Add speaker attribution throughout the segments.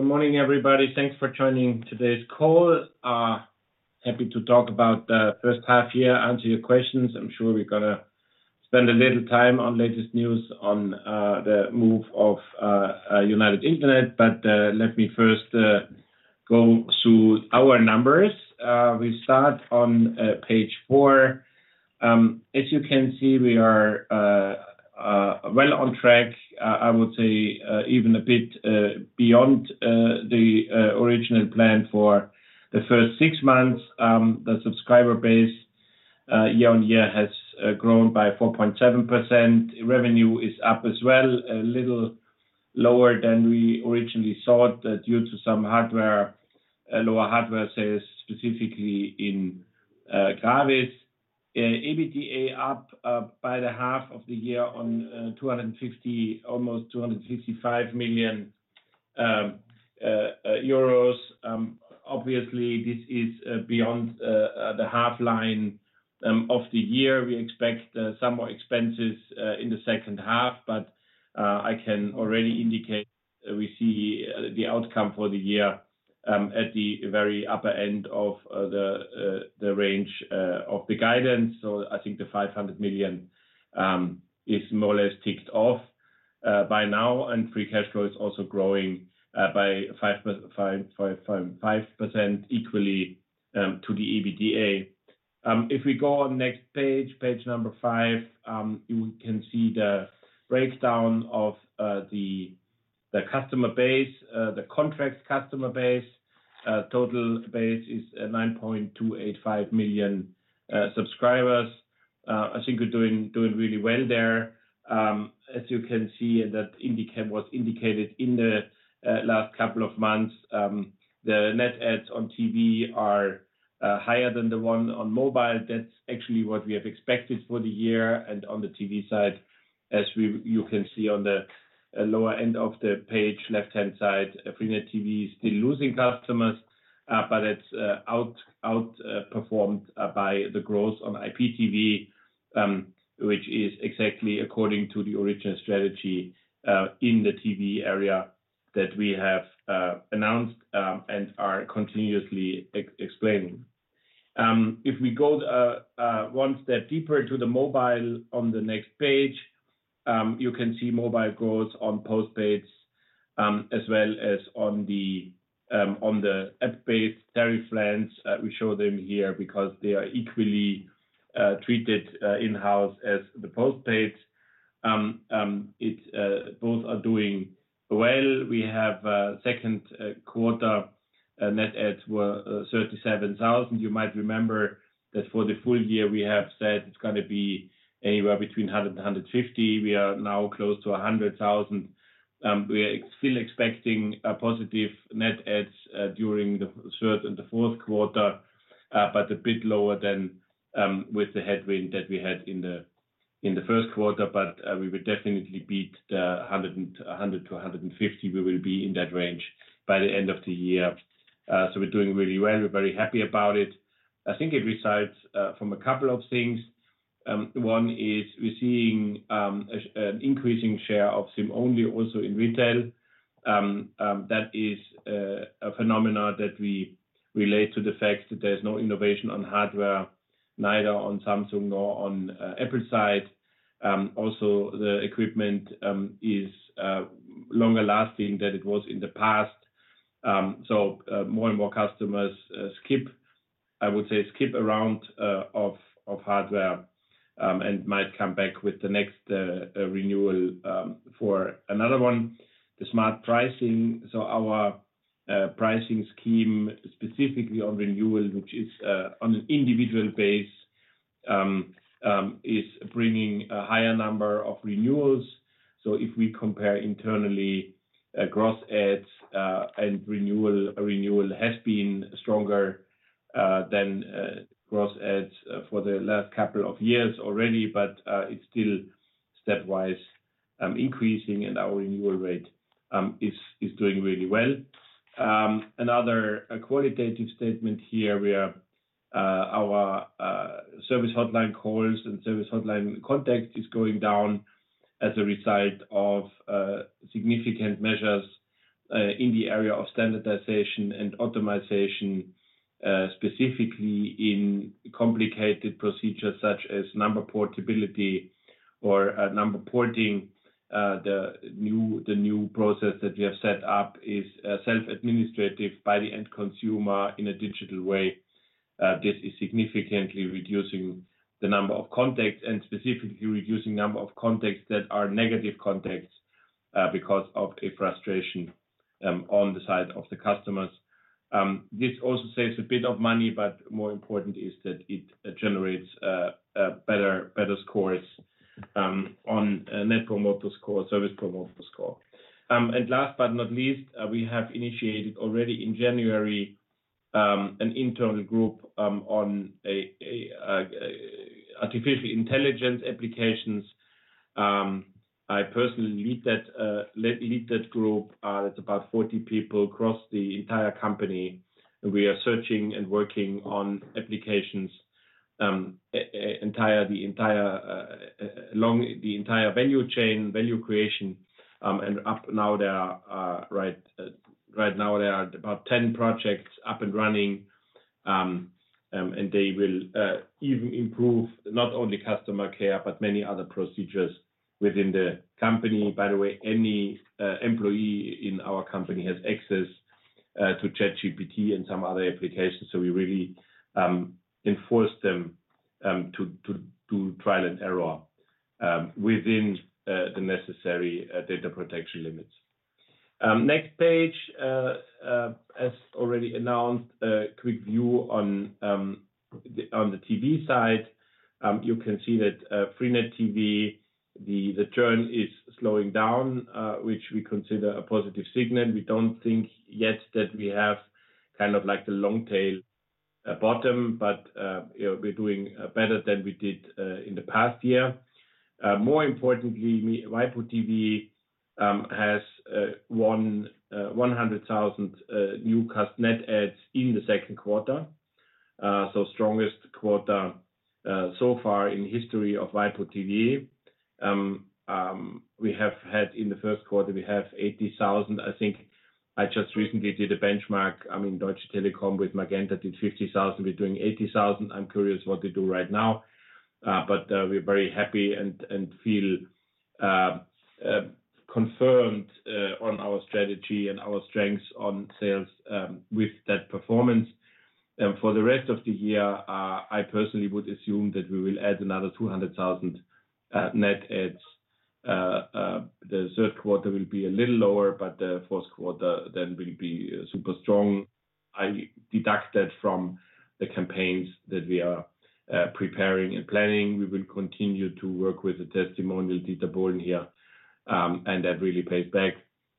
Speaker 1: Good morning, everybody. Thanks for joining today's call. Happy to talk about the H1 year, answer your questions. I'm sure we're gonna spend a little time on latest news on the move of United Internet. Let me first go through our numbers. We start on page 4. As you can see, we are well on track, I would say, even a bit beyond the original plan for the first 6 months. The subscriber base year-on-year has grown by 4.7%. Revenue is up as well, a little lower than we originally thought, due to some hardware, lower hardware sales, specifically in Gravis. EBTA up by the half of the year on 250, almost 255 million euros. Obviously, this is beyond the half line of the year. We expect some more expenses in the H2, but I can already indicate we see the outcome for the year at the very upper end of the range of the guidance. I think the 500 million is more or less ticked off by now, and free cash flow is also growing by 5%, equally to the EBTA. If we go on next page, page five, you can see the breakdown of the customer base, the contract customer base. Total base is 9.285 million subscribers. I think we're doing, doing really well there. As you can see, that was indicated in the last couple of months, the net adds on TV are higher than the one on mobile. That's actually what we have expected for the year. On the TV side, as you can see on the lower end of the page, left-hand side, freenet TV is still losing customers, but it's performed by the growth on IPTV, which is exactly according to the original strategy in the TV area that we have announced and are continuously explaining. If we go one step deeper into the mobile on the next page, you can see mobile growth on postpaids as well as on the app-based tariff plans. We show them here because they are equally treated in-house as the postpaid. It's both are doing well. We have Q2 net adds were 37,000. You might remember that for the full year, we have said it's gonna be anywhere between 100 and 150. We are now close to 100,000. We are still expecting a positive net adds during the third and the Q4, but a bit lower than with the headwind that we had in the Q1. We will definitely beat the 100-150. We will be in that range by the end of the year. We're doing really well. We're very happy about it. I think it resides from a couple of things. One is we're seeing an increasing share of SIM-only also in retail. That is a phenomena that we relate to the fact that there's no innovation on hardware, neither on Samsung nor on Apple side. Also, the equipment is longer lasting than it was in the past. More and more customers skip, I would say, skip around of hardware, and might come back with the next renewal for another one. The smart pricing, so our pricing scheme, specifically on renewal, which is on an individual base, is bringing a higher number of renewals. If we compare internally, gross adds and renewal, renewal has been stronger than gross adds for the last couple of years already, but it's still stepwise increasing, and our renewal rate is doing really well. Another qualitative statement here, we are, our service hotline calls and service hotline contacts is going down as a result of significant measures in the area of standardization and optimization, specifically in complicated procedures such as number portability or number porting. The new, the new process that we have set up is self-administrative by the end consumer in a digital way. This is significantly reducing the number of contacts and specifically reducing number of contacts that are negative contacts because of a frustration on the side of the customers. This also saves a bit of money. More important is that it generates a better, better scores on Net Promoter Score, Service Promoter Score. Last but not least, we have initiated already in January an internal group on artificially intelligent applications. I personally lead that, lead, lead that group. That's about 40 people across the entire company. We are searching and working on applications along the entire value chain, value creation. Up now there are right now there are about 10 projects up and running. They will even improve not only customer care, but many other procedures within the company. By the way, any employee in our company has access to ChatGPT and some other applications. We really enforce them to trial and error within the necessary data protection limits. Next page, as already announced, a quick view on the on the TV side. You can see that freenet TV, the churn is slowing down, which we consider a positive signal. We don't think yet that we have kind of like the long tail bottom, but we're doing better than we did in the past year. More importantly, Waipu TV has 100,000 net adds in the Q2. Strongest quarter so far in history of Waipu TV. In the Q1, we have 80,000. I think I just recently did a benchmark. I mean, Deutsche Telekom with Magenta did 50,000, we're doing 80,000. I'm curious what they do right now. We're very happy and feel confirmed on our strategy and our strengths on sales with that performance. For the rest of the year, I personally would assume that we will add another 200,000 net adds. The Q3 will be a little lower, the Q4 then will be super strong. I deduct that from the campaigns that we are preparing and planning. We will continue to work with the testimonial, Dieter Bohlen here, and that really pays back.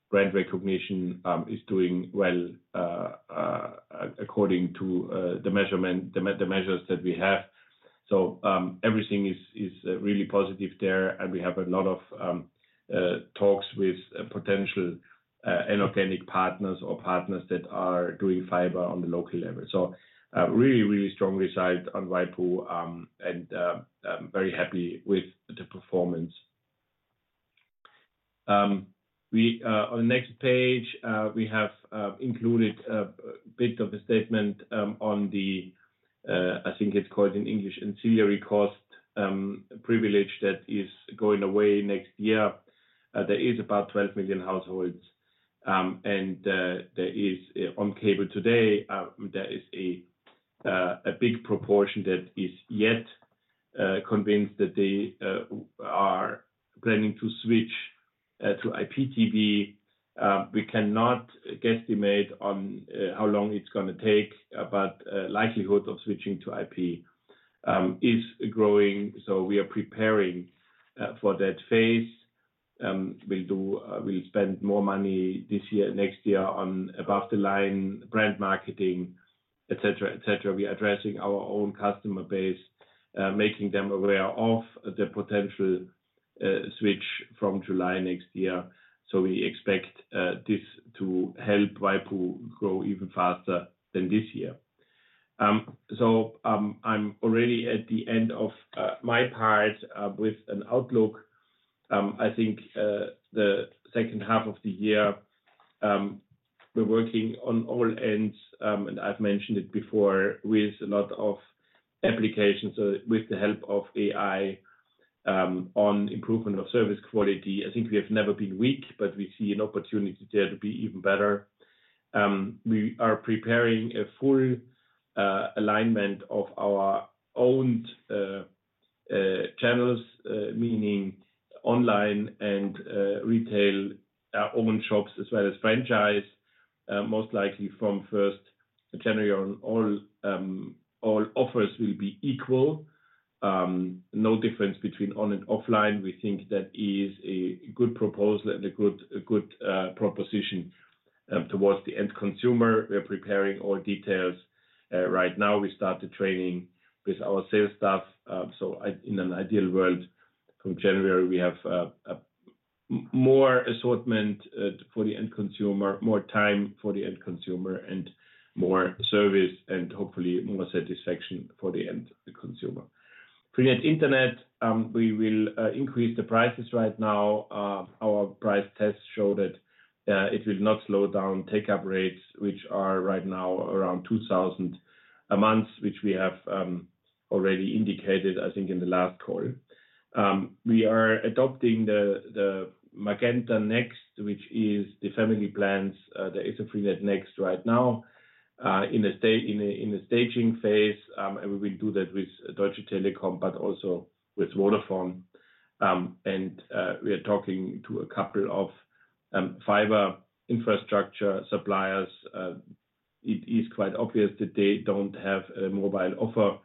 Speaker 1: Brand recognition is doing well according to the measurement, the measures that we have. Everything is really positive there, and we have a lot of talks with potential inorganic partners or partners that are doing fiber on the local level. Really, really strongly side on Waipu, and I'm very happy with the performance. We on the next page, we have included a bit of a statement on the, I think it's called in English, ancillary cost privilege that is going away next year. There is about 12 million households, and there is, on cable today, there is a big proportion that is yet convinced that they are planning to switch to IPTV. We cannot guesstimate on how long it's gonna take, but likelihood of switching to IP is growing, so we are preparing for that phase. We'll spend more money this year and next year on above-the-line brand marketing, et cetera, et cetera. We're addressing our own customer base, making them aware of the potential switch from July next year. We expect, this to help Waipu grow even faster than this year. I'm already at the end of my part with an outlook. I think the H2 of the year, we're working on all ends, and I've mentioned it before, with a lot of applications, with the help of AI, on improvement of service quality. I think we have never been weak, but we see an opportunity there to be even better. We are preparing a full alignment of our own channels, meaning online and retail, own shops as well as franchise. Most likely from first January on, all offers will be equal. No difference between on and offline. We think that is a good proposal and a good, a good proposition towards the end consumer. We are preparing all details. Right now, we start the training with our sales staff. I in an ideal world, from January, we have a more assortment for the end consumer, more time for the end consumer, and more service, and hopefully, more satisfaction for the end consumer. freenet Internet, we will increase the prices right now. Our price tests show that it will not slow down take-up rates, which are right now around 2,000 a month, which we have already indicated, I think, in the last call. We are adopting the Magenta Next, which is the family plans. There is a freenet Next right now in the staging phase. We will do that with Deutsche Telekom, but also with Vodafone. We are talking to a couple of fiber infrastructure suppliers. It is quite obvious that they don't have a mobile offer,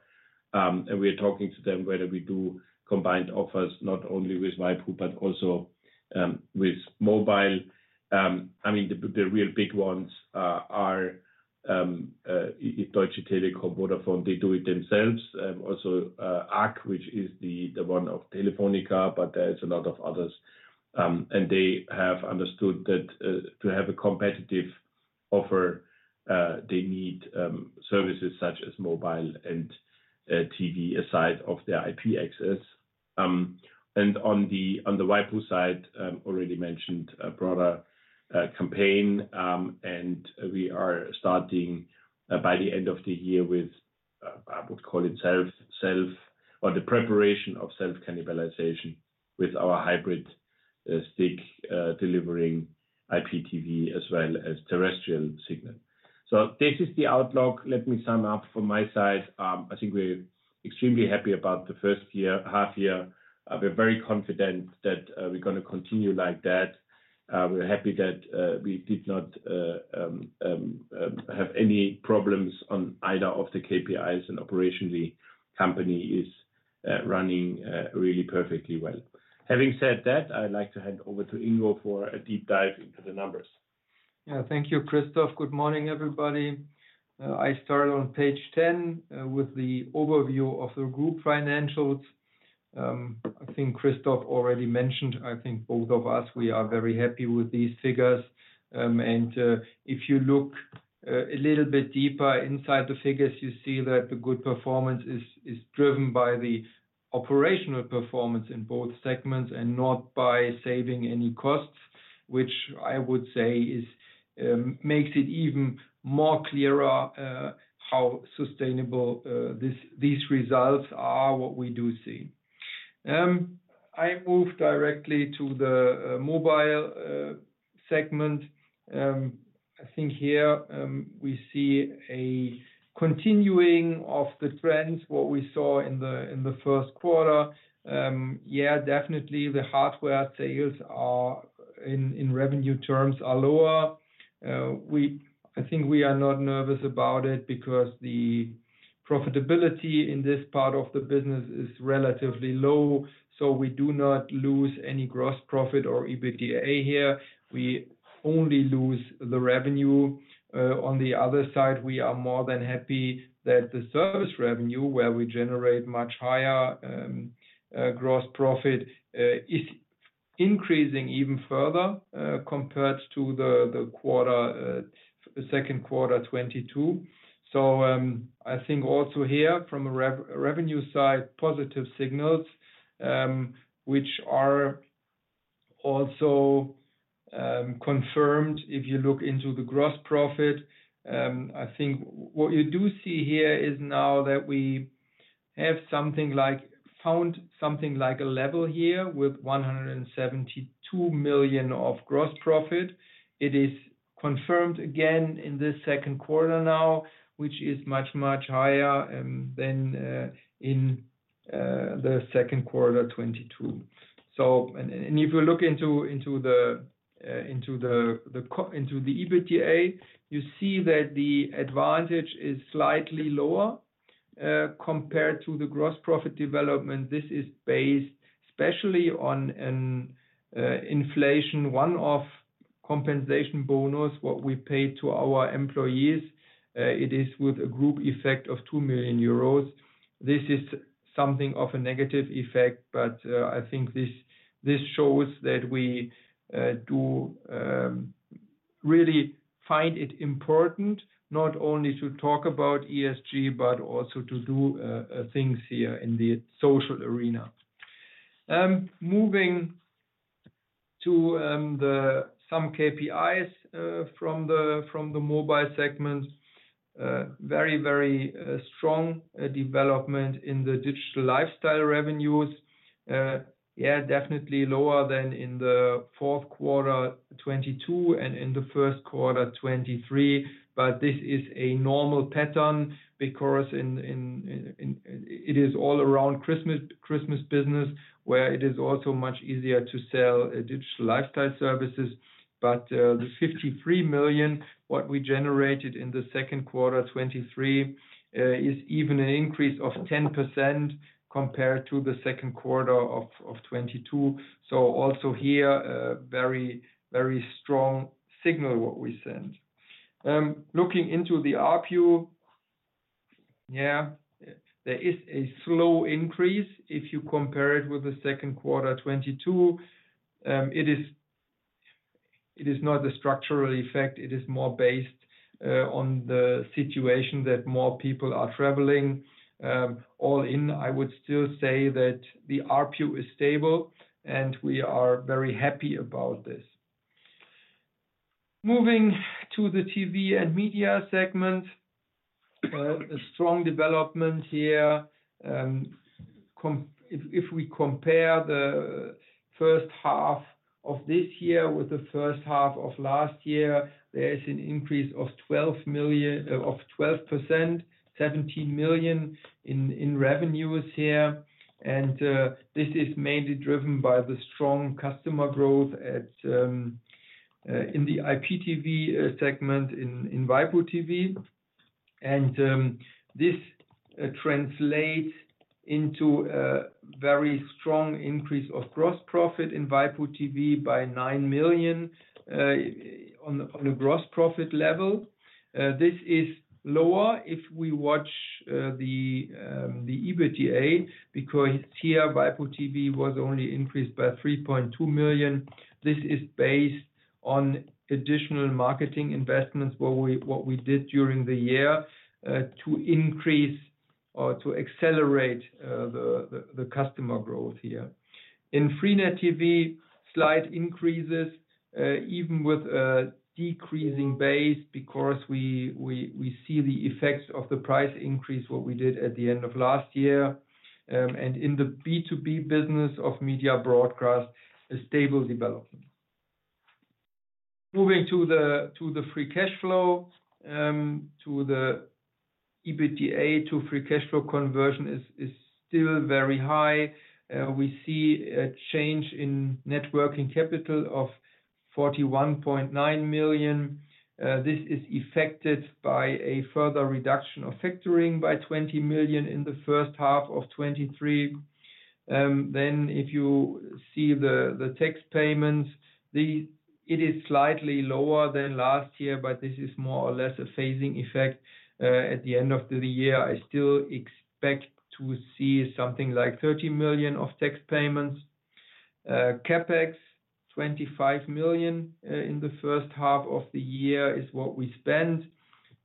Speaker 1: and we are talking to them whether we do combined offers, not only with Waipu, but also with mobile. I mean, the, the real big ones are Deutsche Telekom, Vodafone, they do it themselves. Also, Ark, which is the, the one of Telefonica, but there is a lot of others. And they have understood that to have a competitive offer, they need services such as mobile and TV, aside of their IP access. And on the, on the Waipu side, already mentioned a broader campaign, and we are starting by the end of the year with, I would call it self or the preparation of self-cannibalization with our hybrid stick, delivering IPTV as well as terrestrial signal. This is the outlook. Let me sum up from my side. I think we're extremely happy about the first year, half year. We're very confident that we're gonna continue like that. We're happy that we did not have any problems on either of the KPIs, and operationally, company is running really perfectly well. Having said that, I'd like to hand over to Ingo for a deep dive into the numbers.
Speaker 2: Yeah, thank you, Christophe. Good morning, everybody. I start on page 10 with the overview of the group financials. I think Christophe already mentioned, I think both of us, we are very happy with these figures. If you look a little bit deeper inside the figures, you see that the good performance is, is driven by the operational performance in both segments and not by saving any costs, which I would say is, makes it even more clearer how sustainable these, these results are, what we do see. I move directly to the mobile segment. I think here we see a continuing of the trends, what we saw in the, in the Q1. Yeah, definitely the hardware sales are, in, in revenue terms, are lower. We-- I think we are not nervous about it because the profitability in this part of the business is relatively low, so we do not lose any gross profit or EBITDA here. We only lose the revenue. On the other side, we are more than happy that the service revenue, where we generate much higher gross profit, is increasing even further compared to the quarter, the Q2, 2022. I think also here, from a rev- revenue side, positive signals, which are also confirmed if you look into the gross profit. I think what you do see here is now that we have something like-- found something like a level here with 172 million of gross profit. It is confirmed again in this Q2 now, which is much, much higher than in the Q2 2022. If you look into the EBITDA, you see that the advantage is slightly lower compared to the gross profit development. This is based especially on an inflation, one-off compensation bonus, what we pay to our employees. It is with a group effect of 2 million euros. This is something of a negative effect, but I think this shows that we do really find it important not only to talk about ESG, but also to do things here in the social arena. Moving to the some KPIs from the mobile segments. Very, very strong development in the digital lifestyle revenues. Yeah, definitely lower than in the Q4, 2022 and in the Q1, 2023. This is a normal pattern because it is all around Christmas, Christmas business, where it is also much easier to sell digital lifestyle services. The 53 million what we generated in the Q2, 2023 is even an increase of 10% compared to the Q2 of 2022. Also here, a very, very strong signal, what we send. Looking into the ARPU, yeah, there is a slow increase if you compare it with the Q2, 2022. It is not a structural effect, it is more based on the situation that more people are traveling. All in, I would still say that the ARPU is stable, and we are very happy about this. Moving to the TV and media segment, a strong development here. If we compare the H1 of this year with the H1 of last year, there is an increase of 12 million, of 12%, 17 million in, in revenues here, this is mainly driven by the strong customer growth at in the IPTV segment in waipu.tv. This translates into a very strong increase of gross profit in waipu.tv by 9 million on the, on a gross profit level. This is lower if we watch the EBITDA, because here, waipu.tv was only increased by 3.2 million. This is based on additional marketing investments, what we, what we did during the year, to increase or to accelerate the, the, the customer growth here. In freenet TV, slight increases, even with a decreasing base, because we, we, we see the effects of the price increase, what we did at the end of last year. In the B2B business of Media Broadcast, a stable development. Moving to the, to the free cash flow, to the EBITDA, to free cash flow conversion is, is still very high. We see a change in networking capital of 41.9 million. This is affected by a further reduction of factoring by 20 million in the H1 of 2023. If you see the, the tax payments, it is slightly lower than last year, but this is more or less a phasing effect. At the end of the year, I still expect to see something like 13 million of tax payments. CapEx, 25 million in the H1 of the year is what we spent.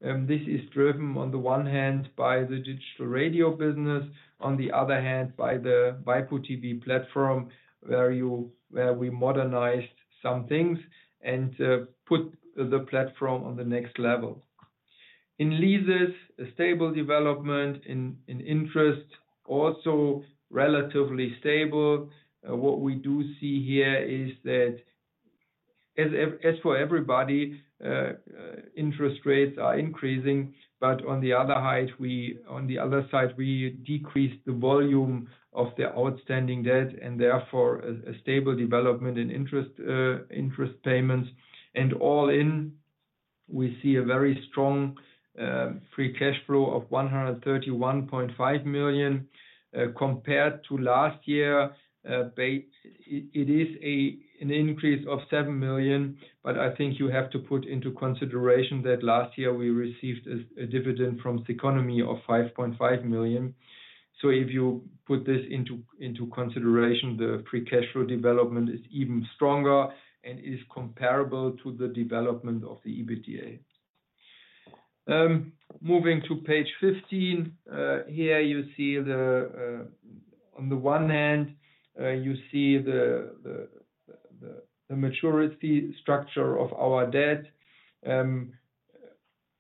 Speaker 2: This is driven, on the one hand, by the digital radio business, on the other hand, by the waipu.tv platform, where we modernized some things and put the platform on the next level. In leases, a stable development. In interest, also relatively stable. What we do see here is that as, as for everybody, interest rates are increasing, but on the other side, we decrease the volume of the outstanding debt, and therefore, a stable development in interest, interest payments. All in, we see a very strong free cash flow of 131.5 million compared to last year. It is an increase of 7 million, but I think you have to put into consideration that last year we received a dividend from Ceconomy of 5.5 million. If you put this into consideration, the free cash flow development is even stronger and is comparable to the development of the EBITDA. Moving to page 15. Here you see the on the one hand, you see the maturity structure of our debt.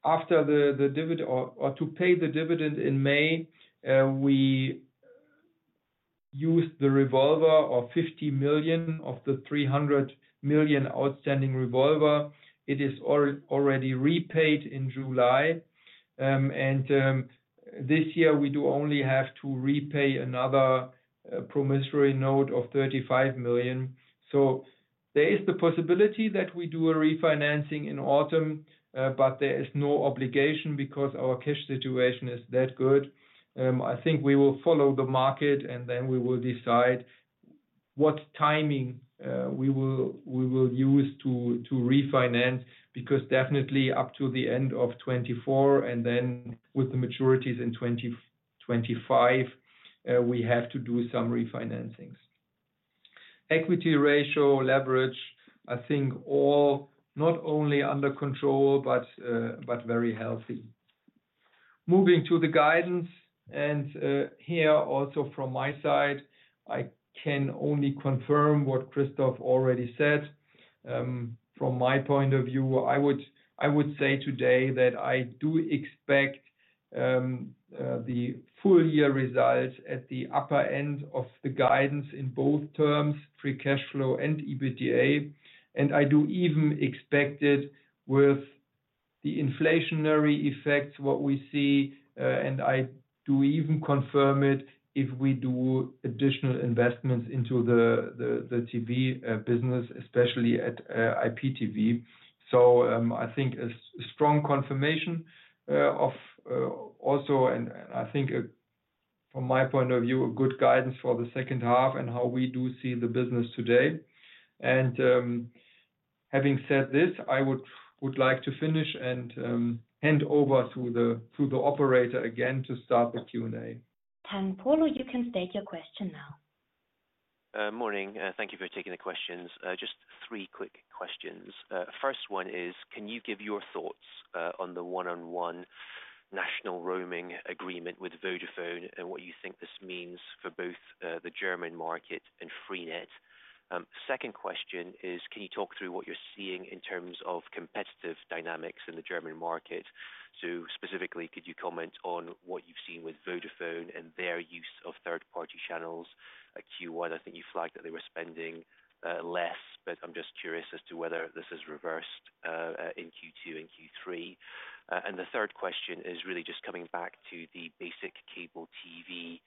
Speaker 2: After the dividend or to pay the dividend in May, we used the revolver of 50 million of the 300 million outstanding revolver. It is already repaid in July. This year, we do only have to repay another promissory note of 35 million. There is the possibility that we do a refinancing in autumn, but there is no obligation because our cash situation is that good. I think we will follow the market, and then we will decide what timing we will, we will use to, to refinance, because definitely up to the end of 2024, and then with the maturities in 2025, we have to do some refinancings. Equity ratio leverage, I think all not only under control, but, but very healthy. Moving to the guidance, here also from my side, I can only confirm what Christoph already said. From my point of view, I would, I would say today that I do expect the full year results at the upper end of the guidance in both terms, free cash flow and EBITDA, and I do even expect it with the inflationary effects, what we see, and I do even confirm it if we do additional investments into the, the, the TV business, especially at IPTV. I think a strong confirmation of also, and I think, from my point of view, a good guidance for the H2 and how we do see the business today. Having said this, I would, would like to finish and hand over to the, to the operator again to start the Q&A.
Speaker 3: Thank you. You can state your question now.
Speaker 4: Morning. Thank you for taking the questions. Just 3 quick questions. First one is, can you give your thoughts on the one-on-one national roaming agreement with Vodafone and what you think this means for both the German market and Freenet? Second question is, can you talk through what you're seeing in terms of competitive dynamics in the German market? Specifically, could you comment on what you've seen with Vodafone and their use of third-party channels? At Q1, I think you flagged that they were spending less, but I'm just curious as to whether this is reversed in Q2 and Q3. And the third question is really just coming back to the basic cable TV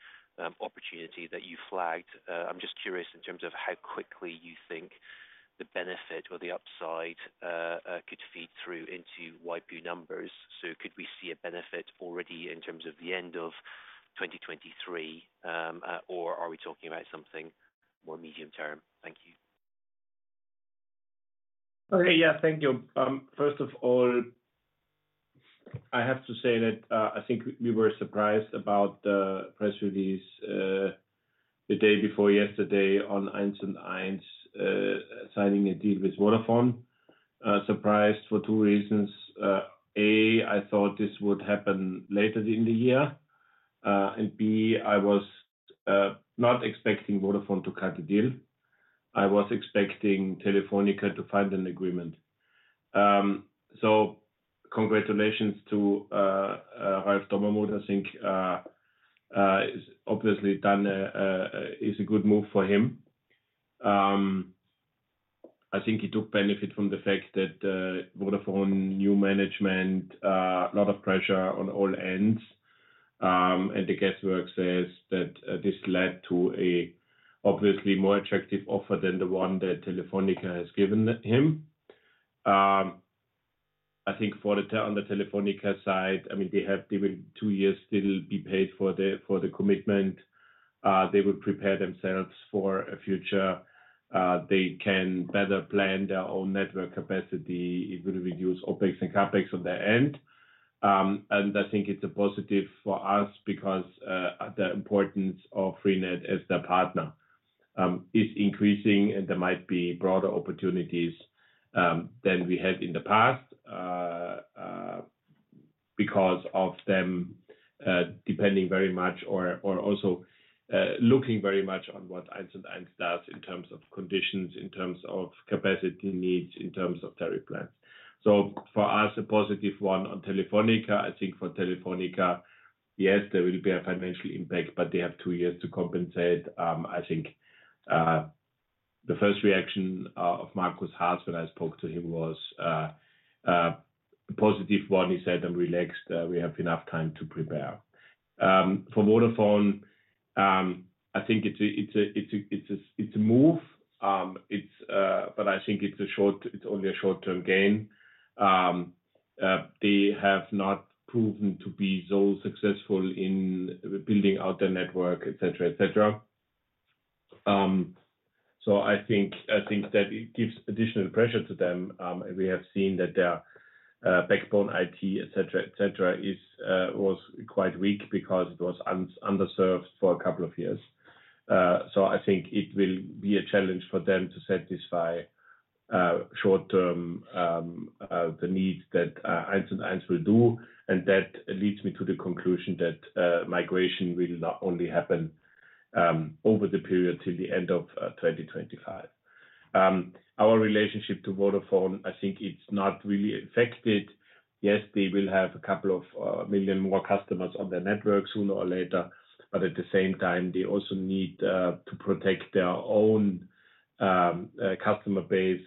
Speaker 4: opportunity that you flagged. I'm just curious in terms of how quickly you think the benefit or the upside could feed through into waipu numbers. Could we see a benefit already in terms of the end of 2023, or are we talking about something more medium term? Thank you....
Speaker 1: Okay. Yeah, thank you. First of all, I have to say that I think we were surprised about the press release the day before yesterday on Eins und Eins signing a deal with Vodafone. Surprised for two reasons. A, I thought this would happen later in the year, and B, I was not expecting Vodafone to cut a deal. I was expecting Telefonica to find an agreement. Congratulations to Ralf Dommermuth. I think he's obviously done a good move for him. I think he took benefit from the fact that Vodafone, new management, a lot of pressure on all ends. The guesswork says that this led to a obviously more attractive offer than the one that Telefonica has given him. I think for the on the Telefonica side, I mean, they have given two years, they will be paid for the, for the commitment. They will prepare themselves for a future. They can better plan their own network capacity. It will reduce OpEx and CapEx on their end. I think it's a positive for us because the importance of freenet as their partner is increasing, and there might be broader opportunities than we had in the past because of them, depending very much or, or also, looking very much on what Eins und Eins does in terms of conditions, in terms of capacity needs, in terms of tariff plans. For us, a positive one on Telefonica. I think for Telefonica, yes, there will be a financial impact, but they have two years to compensate. I think the first reaction of Markus Haas, when I spoke to him, was a positive one. He said, "I'm relaxed, we have enough time to prepare." For Vodafone, I think it's a move. It's, but I think it's only a short-term gain. They have not proven to be so successful in building out their network, et cetera, et cetera. I think, I think that it gives additional pressure to them. We have seen that their backbone was quite weak because it was underserved for a couple of years. I think it will be a challenge for them to satisfy short term the needs that United Internet will do, and that leads me to the conclusion that migration will not only happen over the period to the end of 2025. Our relationship to Vodafone, I think it's not really affected. Yes, they will have a couple of million more customers on their network sooner or later, but at the same time, they also need to protect their own customer base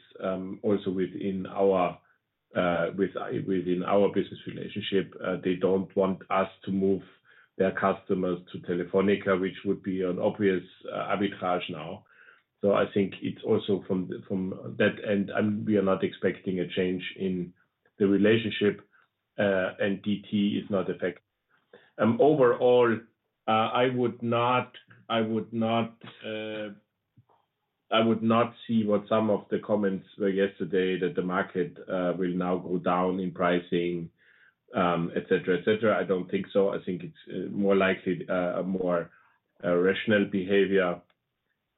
Speaker 1: also within our within our business relationship. They don't want us to move their customers to Telefonica, which would be an obvious arbitrage now. I think it's also from the, from that end, and we are not expecting a change in the relationship, and DT is not affected. Overall I would not see what some of the comments were yesterday, that the market will now go down in pricing. I don't think so. I think it's more likely a more rational behavior.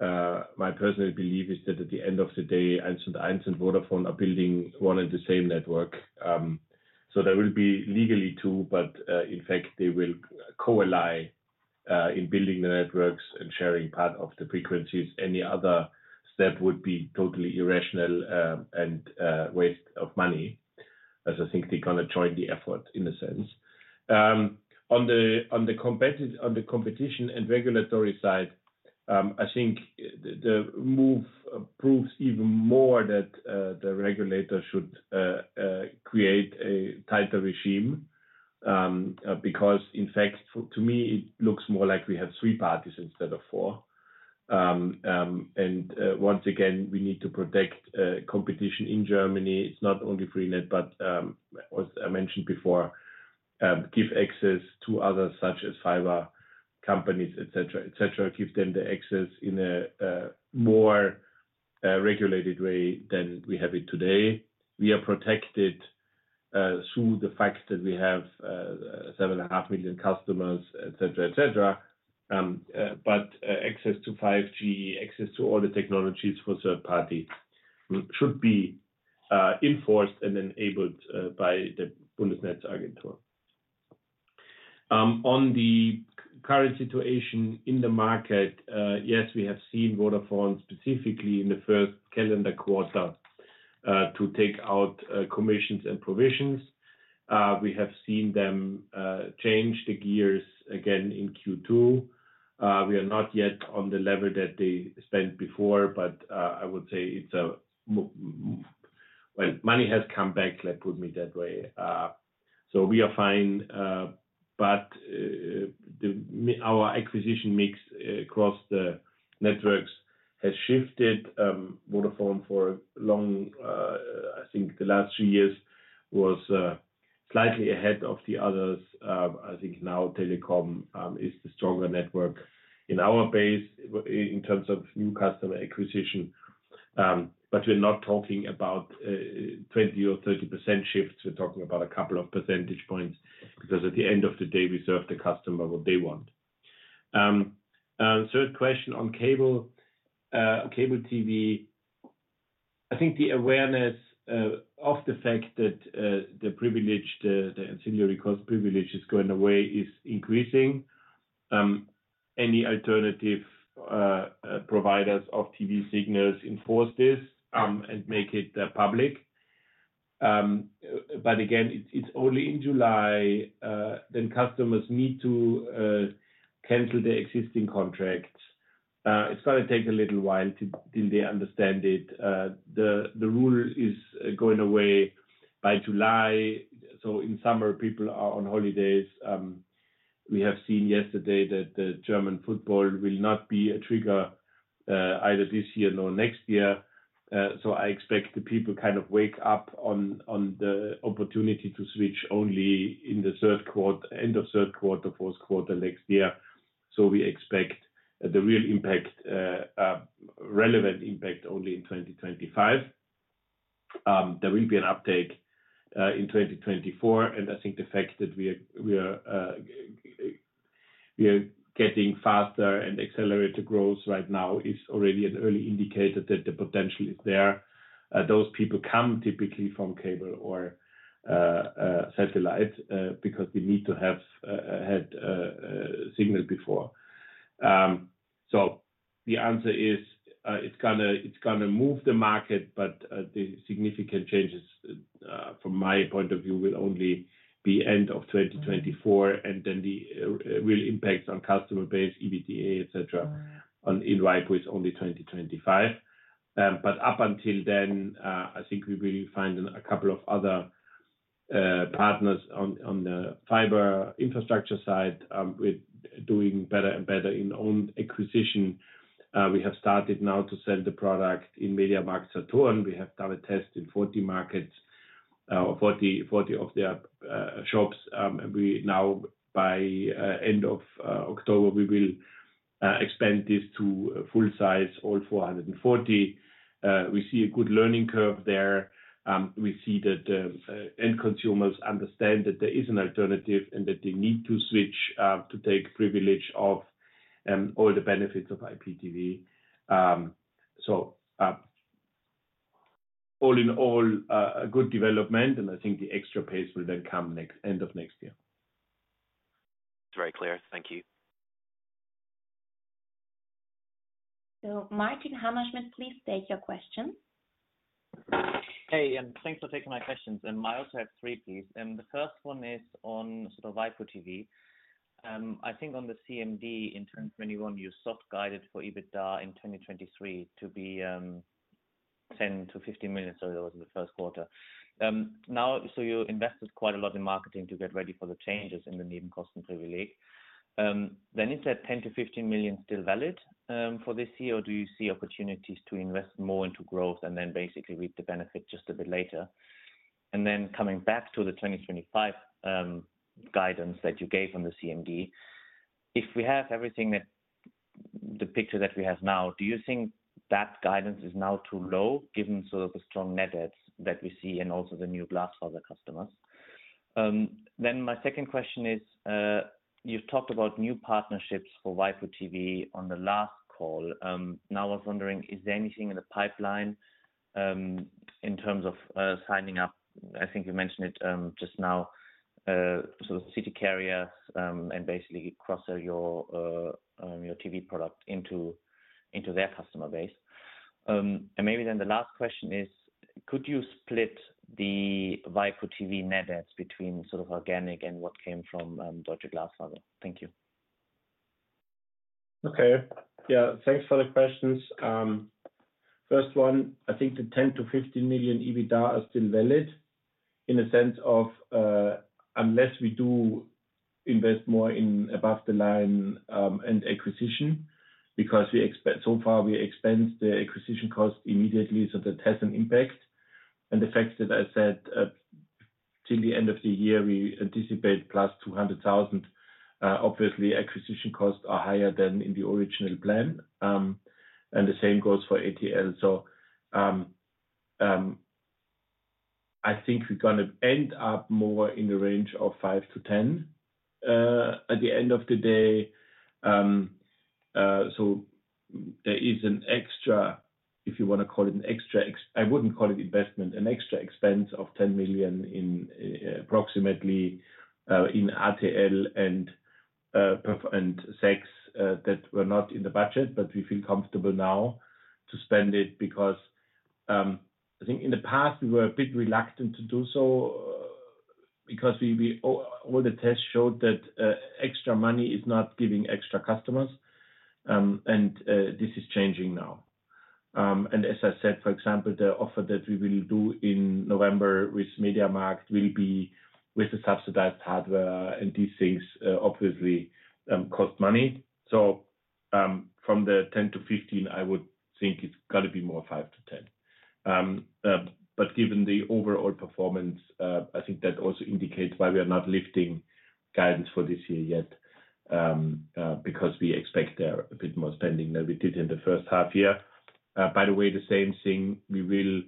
Speaker 1: My personal belief is that at the end of the day, Eins und Eins and Vodafone are building one and the same network. There will be legally two, but in fact, they will coaly in building the networks and sharing part of the frequencies. Any other step would be totally irrational and waste of money, as I think they kinda join the effort in a sense. On the, on the competitive, on the competition and regulatory side, I think the, the move proves even more that the regulator should create a tighter regime. Because in fact, to me, it looks more like we have 3 parties instead of 4. Once again, we need to protect competition in Germany. It's not only freenet, but, as I mentioned before, give access to others, such as fiber companies, et cetera, et cetera. Give them the access in a more regulated way than we have it today. We are protected through the fact that we have 7.5 million customers, et cetera, et cetera. Access to 5G, access to all the technologies for third parties should be enforced and enabled by the Bundesnetzagentur. On the current situation in the market, yes, we have seen Vodafone specifically in the 1st calendar quarter to take out commissions and provisions. We have seen them change the gears again in Q2. We are not yet on the level that they spent before, but I would say money has come back, let put me that way. We are fine, but our acquisition mix across the networks has shifted. Vodafone for a long, I think the last three years was slightly ahead of the others. I think now telecom is the stronger network in our base in terms of new customer acquisition. We're not talking about 20% or 30% shift. We're talking about a couple of percentage points, because at the end of the day, we serve the customer what they want. Third question on cable, cable TV. I think the awareness of the fact that the privilege, the ancillary cost privilege is going away, is increasing. Any alternative providers of TV signals enforce this and make it public. Again, it's only in July, then customers need to cancel their existing contracts. It's gonna take a little while till they understand it. The rule is going away by July, in summer, people are on holidays. We have seen yesterday that the German football will not be a trigger, either this year nor next year. I expect the people kind of wake up on, on the opportunity to switch only in the end of Q2, Q4 next year. We expect the real impact, relevant impact only in 2025. There will be an uptake in 2024, and I think the fact that we are getting faster and accelerated growth right now, is already an early indicator that the potential is there. Those people come typically from cable or satellite, because we need to had a signal before. So the answer is, it's gonna, it's gonna move the market, but the significant changes, from my point of view, will only be end of 2024, and then the real impacts on customer base, EBITDA is only 2025. Up until then, I think we will find a couple of other partners on the fiber infrastructure side, with doing better and better in own acquisition. We have started now to sell the product in Mediamarkt Saturn. We have done a test in 40 markets, 40, 40 of their shops. We now, by end of October, we will expand this to full size, all 440. We see a good learning curve there. We see that end consumers understand that there is an alternative and that they need to switch to take privilege of all the benefits of IPTV. All in all, a good development, and I think the extra pace will then come end of next year.
Speaker 4: It's very clear. Thank you.
Speaker 3: Martin Hammerschmidt, please state your question.
Speaker 5: Hey, thanks for taking my questions. I also have three, please. The first one is on the Waipu TV. I think on the CMD in 2021, you soft guided for EBITDA in 2023 to be 10 million-15 million, so that was in the Q1. Now, you invested quite a lot in marketing to get ready for the changes in the freenet cost and privilege. Is that 10 million-15 million still valid for this year, or do you see opportunities to invest more into growth and basically reap the benefit just a bit later? Coming back to the 2025 guidance that you gave on the CMD, if we have everything the picture that we have now, do you think that guidance is now too low, given sort of the strong net ads that we see and also the new glass for the customers? My second question is, you've talked about new partnerships for Waipu TV on the last call. Now I was wondering, is there anything in the pipeline in terms of signing up? I think you mentioned it just now, city carrier, and basically cross your your TV product into, into their customer base. Maybe the last question is, could you split the Waipu TV net ads between sort of organic and what came from Deutsche Glasfaser? Thank you.
Speaker 1: Okay. Yeah, thanks for the questions. First one, I think the 10 million-15 million EBITDA are still valid in the sense of, unless we do invest more in above the line and acquisition, because we expense the acquisition cost immediately, so that has an impact. The fact that I said, till the end of the year, we anticipate +200,000, obviously, acquisition costs are higher than in the original plan, and the same goes for ATL. I think we're gonna end up more in the range of 5 million-10 million at the end of the day. There is an extra, if you want to call it an extra, I wouldn't call it investment, an extra expense of 10 million in, approximately, in RTL and sex that were not in the budget. We feel comfortable now to spend it because I think in the past we were a bit reluctant to do so, because we all the tests showed that extra money is not giving extra customers. This is changing now. As I said, for example, the offer that we will do in November with Mediamarkt will be with the subsidized hardware and these things obviously cost money. From the 10-15, I would think it's got to be more 5-10. Given the overall performance, I think that also indicates why we are not lifting guidance for this year yet, because we expect a bit more spending than we did in the H1-year. By the way, the same thing, we will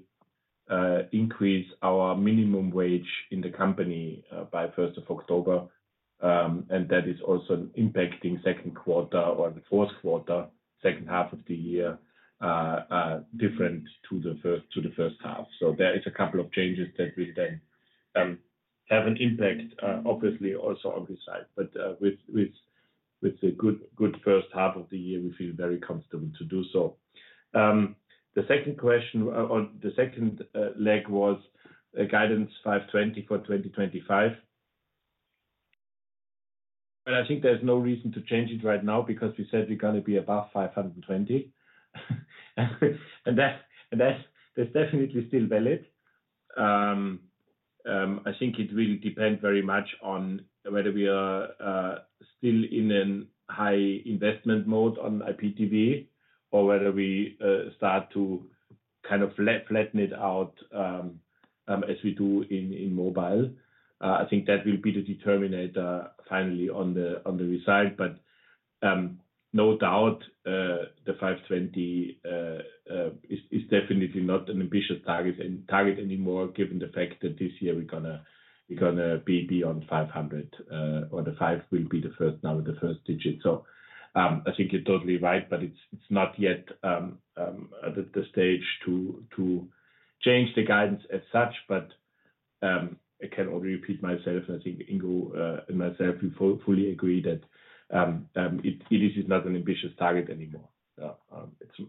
Speaker 1: increase our minimum wage in the company by October 1, that is also impacting Q2 or the Q4, H2of the year, different to the first, to the H1. There is a couple of changes that will then have an impact, obviously, also on this side with a good H1 of the year, we feel very comfortable to do so. The second question or the second leg was a guidance 520 for 2025. I think there's no reason to change it right now because we said we're gonna be above 520. That, and that's, that's definitely still valid. I think it will depend very much on whether we are still in a high investment mode on IPTV or whether we start to kind of flat, flatten it out as we do in mobile. I think that will be the determinator finally on the result. No doubt, the 520 is definitely not an ambitious target and target anymore, given the fact that this year we're gonna, we're gonna be beyond 500, or the 5 will be the first, now the first digit. I think you're totally right, but it's not yet at the stage to change the guidance as such. I can only repeat myself, and I think Ingo and myself, we fully agree that it is not an ambitious target anymore.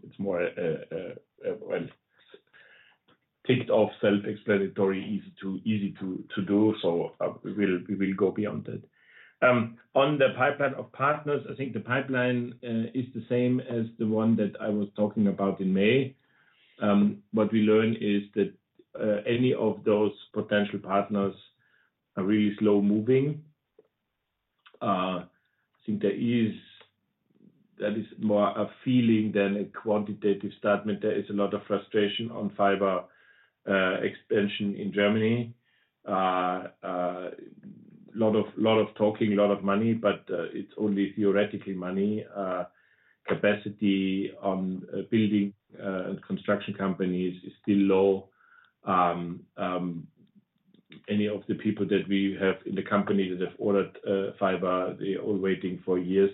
Speaker 1: It's more, well, ticked off, self-explanatory, easy to, easy to do, so we will, we will go beyond it. On the pipeline of partners, I think the pipeline is the same as the one that I was talking about in May. What we learned is that any of those potential partners are really slow moving. I think that is more a feeling than a quantitative statement. There is a lot of frustration on fiber expansion in Germany. A lot of talking, a lot of money, but it's only theoretically money. Capacity on building and construction companies is still low. Any of the people that we have in the company that have ordered fiber, they're all waiting for years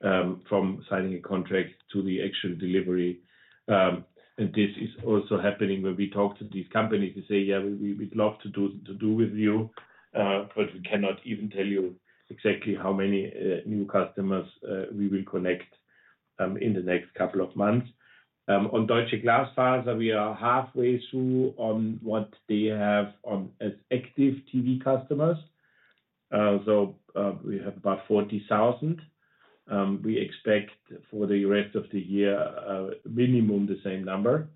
Speaker 1: from signing a contract to the actual delivery. This is also happening when we talk to these companies, they say, "Yeah, we, we'd love to do, to do with you, but we cannot even tell you exactly how many new customers we will connect in the next couple of months." On Deutsche Glasfaser, we are halfway through on what they have on as active TV customers. We have about 40,000. We expect for the rest of the year, minimum, the same number.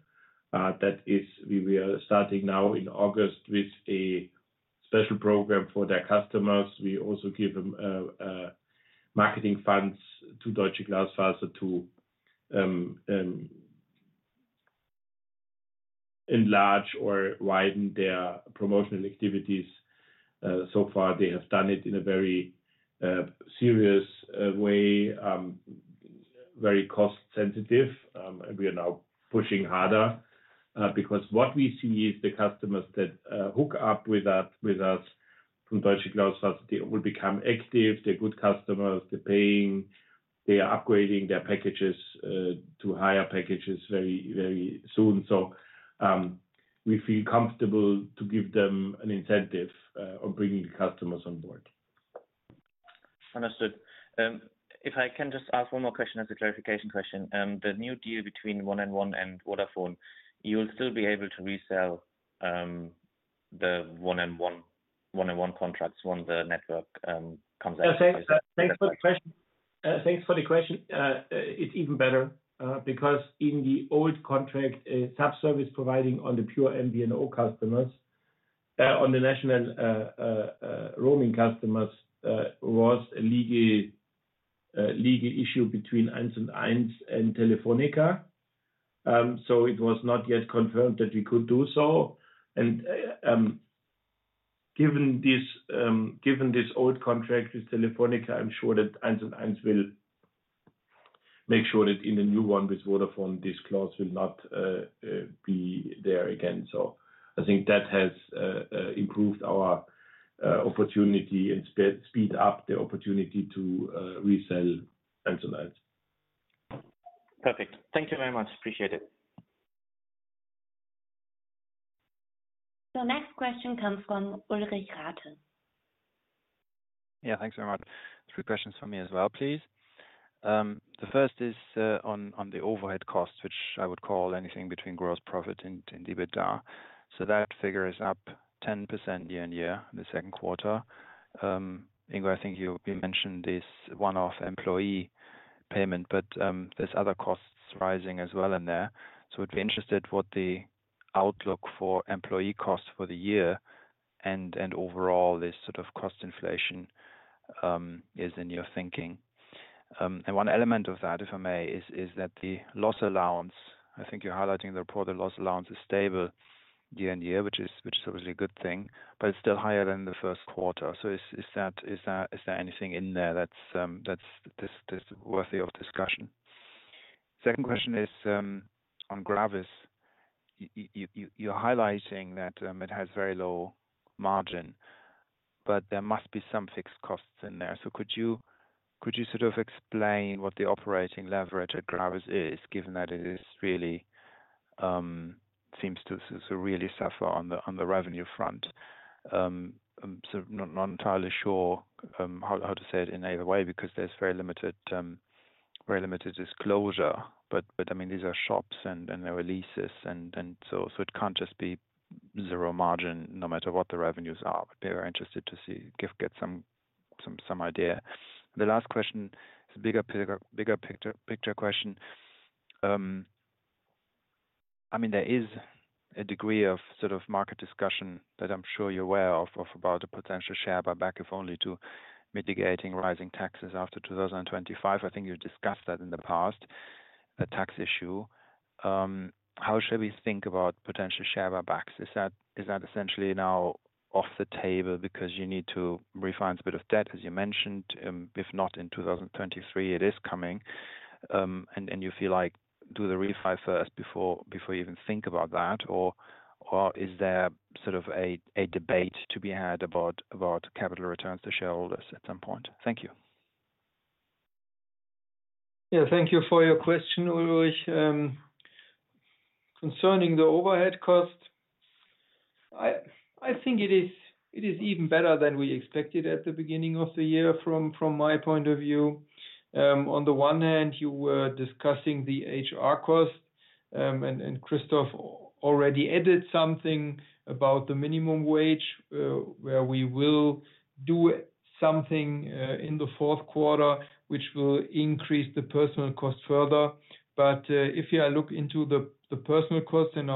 Speaker 1: That is, we are starting now in August with a special program for their customers. We also give them marketing funds to Deutsche Glasfaser to enlarge or widen their promotional activities. So far, they have done it in a very serious way, very cost sensitive. We are now pushing harder because what we see is the customers that hook up with that, with us from Deutsche Glasfaser, they will become active, they're good customers, they're paying, they are upgrading their packages to higher packages very, very soon. We feel comfortable to give them an incentive on bringing customers on board.
Speaker 5: Understood. If I can just ask one more question as a clarification question. The new deal between one and one and Vodafone, you'll still be able to resell, the one and one, one and one contracts once the network comes out?
Speaker 1: Thanks for the question. Thanks for the question. It's even better, because in the old contract, a sub-service providing on the pure MVNO customers, on the national, roaming customers, was a legal, legal issue between eins&eins and Telefonica. It was not yet confirmed that we could do so. Given this, given this old contract with Telefonica, I'm sure that eins&eins will make sure that in the new one with Vodafone, this clause will not be there again. I think that has improved our opportunity and speed up the opportunity to resell eins&eins.
Speaker 5: Perfect. Thank you very much. Appreciate it.
Speaker 3: The next question comes from Ulrich Rathe.
Speaker 6: Yeah, thanks very much. Three questions for me as well, please. The first is on, on the overhead costs, which I would call anything between gross profit and EBITDA. That figure is up 10% year-on-year, in the Q2. Ingo, I think you mentioned this one-off employee payment, but there's other costs rising as well in there. I'd be interested what the outlook for employee costs for the year and overall, this sort of cost inflation is in your thinking. One element of that, if I may, is that the loss allowance, I think you're highlighting the report, the loss allowance is stable year-on-year which is obviously a good thing, but it's still higher than the Q1. Is that, is there anything in there that's worthy of discussion? Second question is on GRAVIS. You're highlighting that it has very low margin, but there must be some fixed costs in there. Could you sort of explain what the operating leverage at GRAVIS is, given that it is really seems to really suffer on the revenue front? I'm sort of not entirely sure how to say it in either way, because there's very limited, very limited disclosure. I mean, these are shops and there are leases, and so it can't just be zero margin, no matter what the revenues are. We are interested to see, get some idea. The last question is a bigger picture, picture question. I mean, there is a degree of sort of market discussion that I'm sure you're aware of, of about a potential share buyback, if only to mitigating rising taxes after 2025. I think you discussed that in the past, the tax issue. How should we think about potential share buybacks? Is that, is that essentially now off the table because you need to refinance a bit of debt, as you mentioned, if not in 2023, it is coming? And you feel like, do the refi first before, before you even think about that, or is there sort of a, a debate to be had about, about capital returns to shareholders at some point? Thank you.
Speaker 2: Yeah, thank thank you for your question, Ulrich. Concerning the overhead cost, I, I think it is, it is even better than we expected at the beginning of the year, from, from my point of view. On the one hand, you were discussing the HR cost, and Christoph already added something about the minimum wage, where we will do something in the Q4, which will increase the personal cost further. If you look into the personal cost and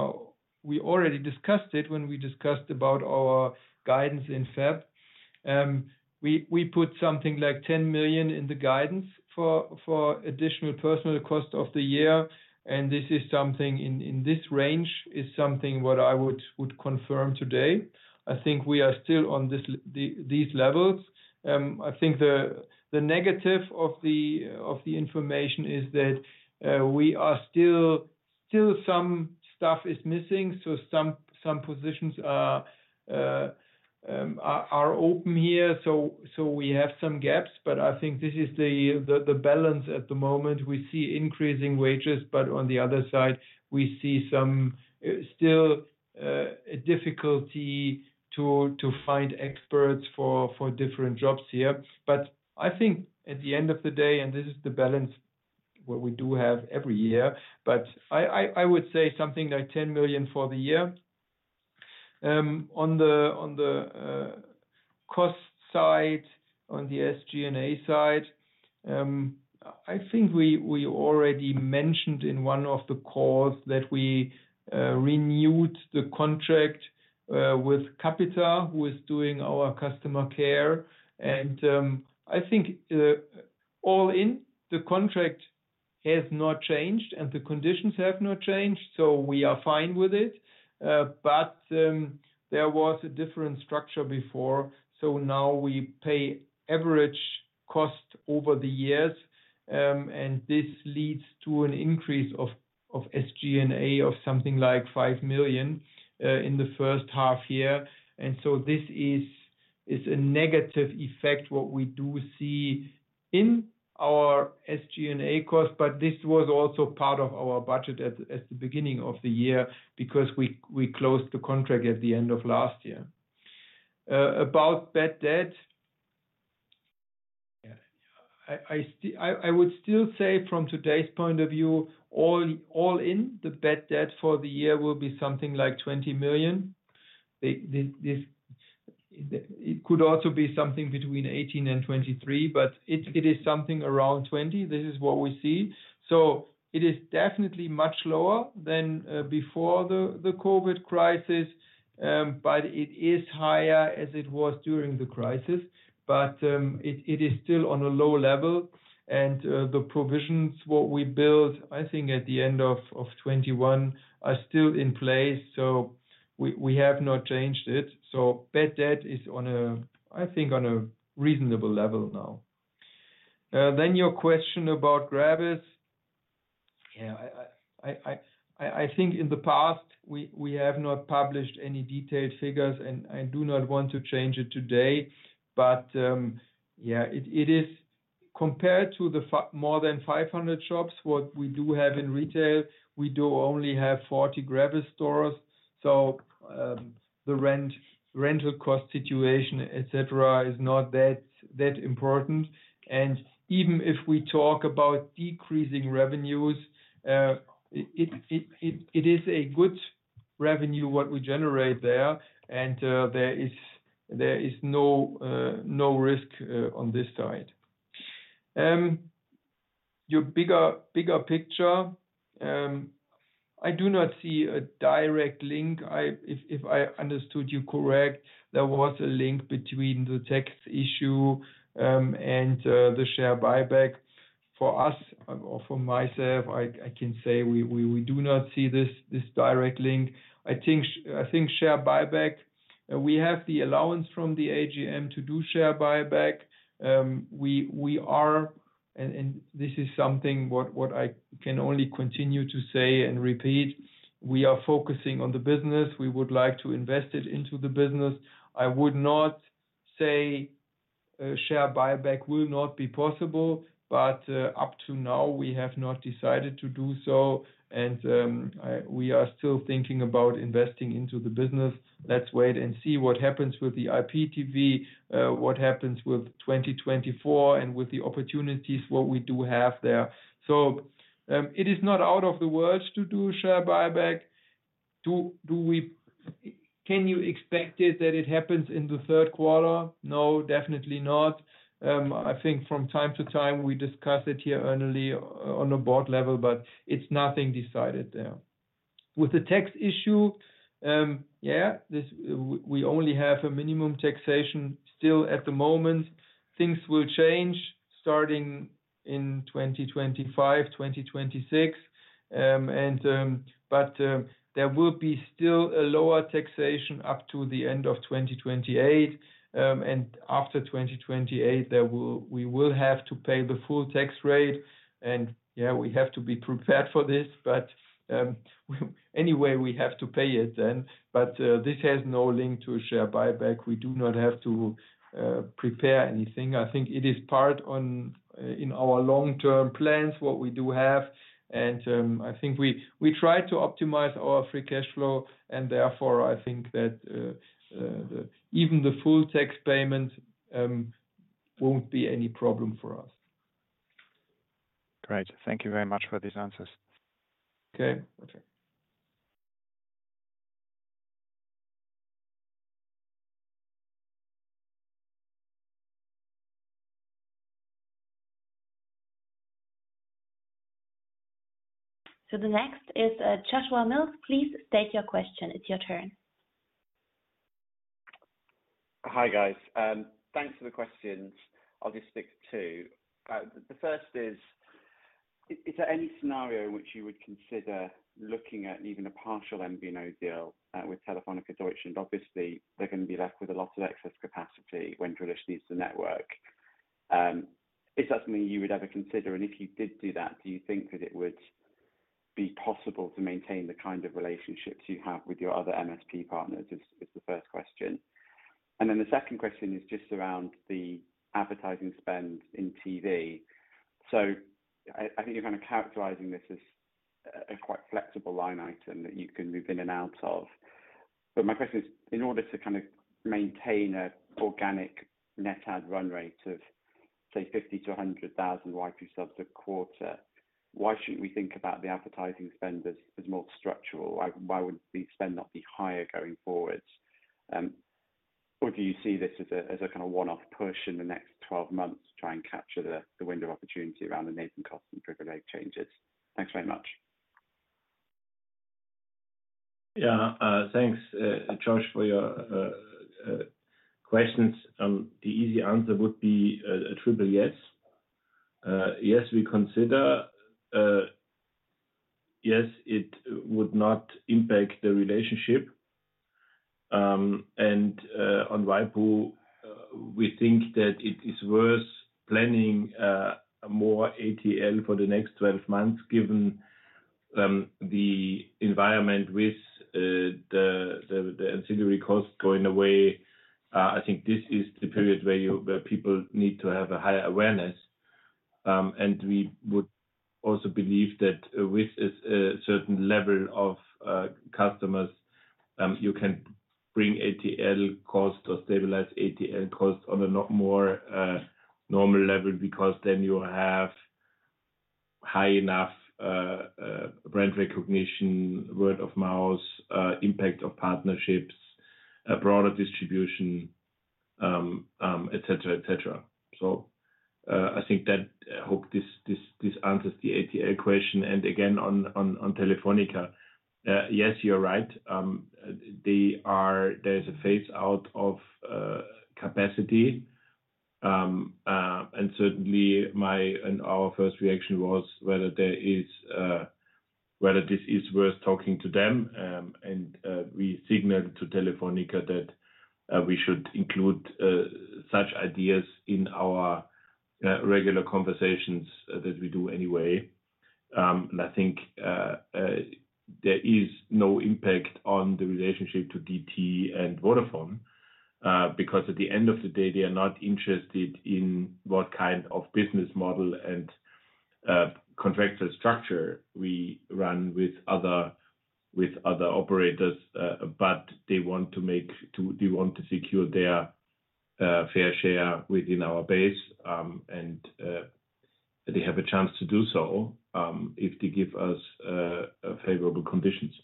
Speaker 2: we already discussed it when we discussed about our guidance in February. We put something like 10 million in the guidance for additional personal cost of the year, and this is something in this range, is something what I would confirm today. I think we are still on these levels. I think the negative of the information is that we are still, still some stuff is missing, so some positions are open here, so we have some gaps, but I think this is the balance at the moment. We see increasing wages, but on the other side, we see some still a difficulty to find experts for different jobs here. I think at the end of the day, and this is the balance what we do have every year, but I would say something like 10 million for the year. On the cost side, on the SG&A side, I think we already mentioned in one of the calls that we renewed the contract with Capita, who is doing our customer care. I think, all in, the contract has not changed and the conditions have not changed, so we are fine with it. There was a different structure before, so now we pay average cost over the years, and this leads to an increase of, of SG&A of something like 5 million in the H1 year. This is, is a negative effect, what we do see in our SG&A cost, but this was also part of our budget at, at the beginning of the year because we, we closed the contract at the end of last year. About bad debt, I, I would still say from today's point of view, all, all in, the bad debt for the year will be something like 20 million. The, the, this... It could also be something between 18 and 23, but it, it is something around 20. This is what we see. It is definitely much lower than before the COVID crisis, but it is higher as it was during the crisis. It, it is still on a low level, and the provisions, what we built, I think at the end of 2021, are still in place, so we, we have not changed it. Bad debt is on a, I think on a reasonable level now. Your question about GRAVIS. Yeah, I think in the past, we, we have not published any detailed figures, and I do not want to change it today. Yeah, compared to the more than 500 shops, what we do have in retail, we do only have 40 Gravis stores, so the rent, rental cost situation, et cetera, is not that, that important. Even if we talk about decreasing revenues it is a good... revenue what we generate there, and there is, there is no risk on this side. Your bigger picture, I do not see a direct link. If I understood you correct, there was a link between the tax issue and the share buy back. For us, or for myself I can say we do not see this, this direct link. I think share buyback, we have the allowance from the AGM to do share buyback. We are, and this is something what, what I can only continue to say and repeat, we are focusing on the business. We would like to invest it into the business. I would not say a share buyback will not be possible, but up to now, we have not decided to do so, and we are still thinking about investing into the business. Let's wait and see what happens with the IPTV, what happens with 2024 and with the opportunities, what we do have there. It is not out of the words to do share buyback. Can you expect it that it happens in the Q3? No, definitely not. I think from time to time, we discuss it here annually on a board level, but it's nothing decided there. With the tax issue, this we only have a minimum taxation still at the moment. Things will change starting in 2025, 2026. There will be still a lower taxation up to the end of 2028. After 2028, we will have to pay the full tax rate, yeah, we have to be prepared for this, anyway, we have to pay it then. This has no link to a share buyback. We do not have to prepare anything. I think it is part on in our long-term plans, what we do have, I think we, we try to optimize our free cash flow, therefore, I think that even the full tax payment won't be any problem for us.
Speaker 5: Great. Thank you very much for these answers.
Speaker 2: Okay. Okay.
Speaker 3: The next is, Joshua Mills. Please state your question. It's your turn.
Speaker 7: Hi, guys. Thanks for the questions. I'll just stick to two. The first is, is there any scenario in which you would consider looking at even a partial MVNO deal with Telefónica Deutschland? Obviously, they're gonna be left with a lot of excess capacity when Drillisch leaves the network. Is that something you would ever consider? If you did do that, do you think that it would be possible to maintain the kind of relationships you have with your other MSP partners? Is the first question. Then the second question is just around the advertising spend in TV. I think you're kind of characterizing this as a quite flexible line item that you can move in and out of. My question is, in order to kind of maintain an organic net add run rate of, say, 50,000-100,000 YP subs a quarter, why shouldn't we think about the advertising spend as, as more structural? Why, why would the spend not be higher going forward? Do you see this as a, as a kind of one-off push in the next 12 months to try and capture the, the window of opportunity around the making costs and regulatory changes? Thanks very much.
Speaker 2: Yeah, thanks, Josh, for your questions. The easy answer would be a triple yes. Yes, we consider, yes, it would not impact the relationship. On YPO, we think that it is worth planning more ATL for the next 12 months, given the environment with the ancillary cost going away. I think this is the period where people need to have a higher awareness. We would also believe that with a certain level of customers, you can bring ATL cost or stabilize ATL cost on a more normal level, because then you have high enough brand recognition, word-of-mouth, impact of partnerships, a broader distribution, et cetera. I think I hope this answers the ATL question. Again, on, on, on Telefonica, yes, you're right. There is a phase out of capacity. Certainly, my and our first reaction was whether this is worth talking to them. We signaled to Telefonica that we should include such ideas in our regular conversations that we do anyway. I think there is no impact on the relationship to D.T. and Vodafone, because at the end of the day, they are not interested in what kind of business model and contractor structure we run with other, with other operators, but they want to secure their fair share within our base....
Speaker 1: they have a chance to do so, if they give us, a favorable conditions.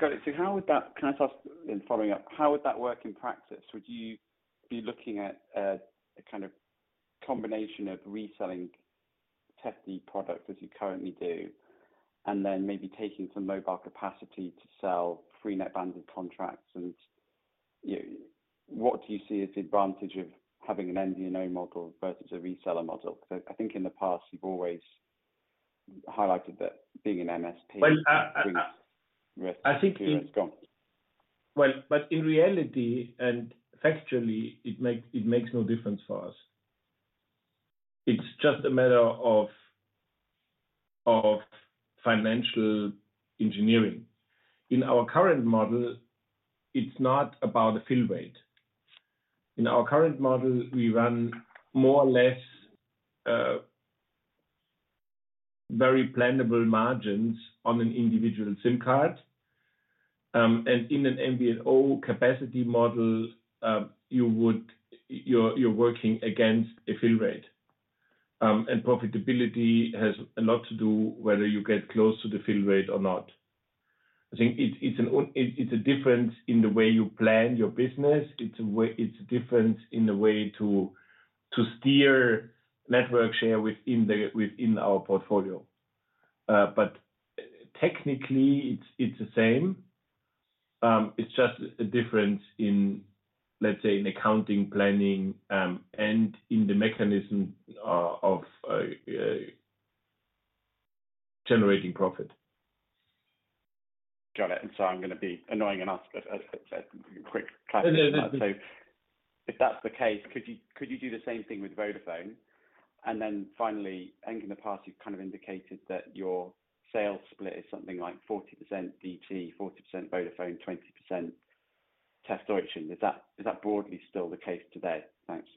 Speaker 7: Got it. Can I ask in following up, how would that work in practice? Would you be looking at a kind of combination of reselling test the product as you currently do, and then maybe taking some mobile capacity to sell freenet banded contracts? You, what do you see as the advantage of having an MVNO model versus a reseller model? I think in the past, you've always highlighted that being an MSP-
Speaker 1: Well, I think-
Speaker 7: Please go on.
Speaker 1: Well, in reality, and factually, it makes, it makes no difference for us. It's just a matter of, of financial engineering. In our current model, it's not about the fill rate. In our current model, we run more or less, very plannable margins on an individual SIM card. And in an MVNO capacity model, you would, you're, you're working against a fill rate. And profitability has a lot to do, whether you get close to the fill rate or not. I think it's, it's an, it's a difference in the way you plan your business. It's a difference in the way to, to steer network share within the, within our portfolio. Technically, it's, it's the same. It's just a difference in, let's say, in accounting, planning, and in the mechanism of generating profit.
Speaker 7: Got it. I'm going to be annoying and ask a quick question.
Speaker 1: No, no, no.
Speaker 7: If that's the case, could you, could you do the same thing with Vodafone? Finally, I think in the past, you've indicated that your sales split is something like 40% DT, 40% Vodafone, 20% Testeutschen. Is that, is that broadly still the case today? Thanks.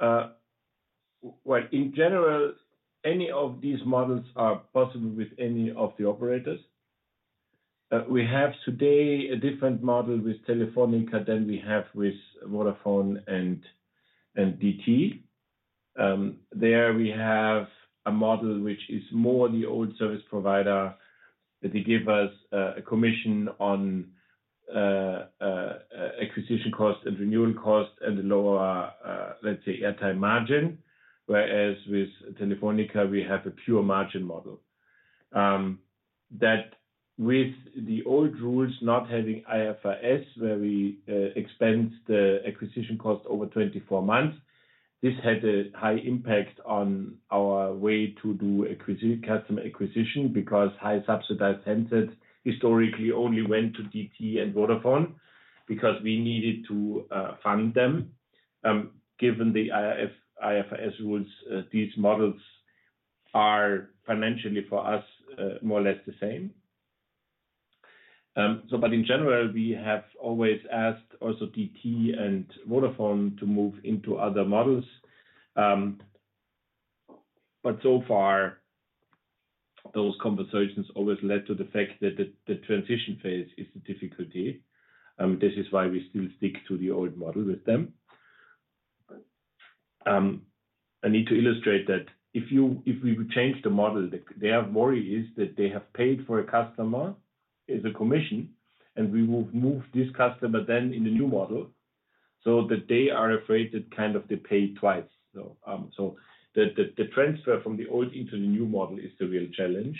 Speaker 1: Well, in general, any of these models are possible with any of the operators. We have today a different model with Telefonica than we have with Vodafone and DT. There we have a model which is more the old service provider. They give us a commission on acquisition cost and renewal cost, and a lower, let's say, airtime margin. Whereas with Telefonica, we have a pure margin model. That with the old rules not having IFRS, where we expense the acquisition cost over 24 months, this had a high impact on our way to do acquisition, customer acquisition, because high subsidized handsets historically only went to DT and Vodafone because we needed to fund them. Given the IFRS rules, these models are financially, for us, more or less the same. In general, we have always asked also DT and Vodafone to move into other models. So far, those conversations always led to the fact that the, the transition phase is a difficulty, and this is why we still stick to the old model with them. I need to illustrate that if you, if we would change the model, their worry is that they have paid for a customer as a commission, and we will move this customer then in the new model, so that they are afraid that kind of they paid twice. The, the, the transfer from the old into the new model is the real challenge.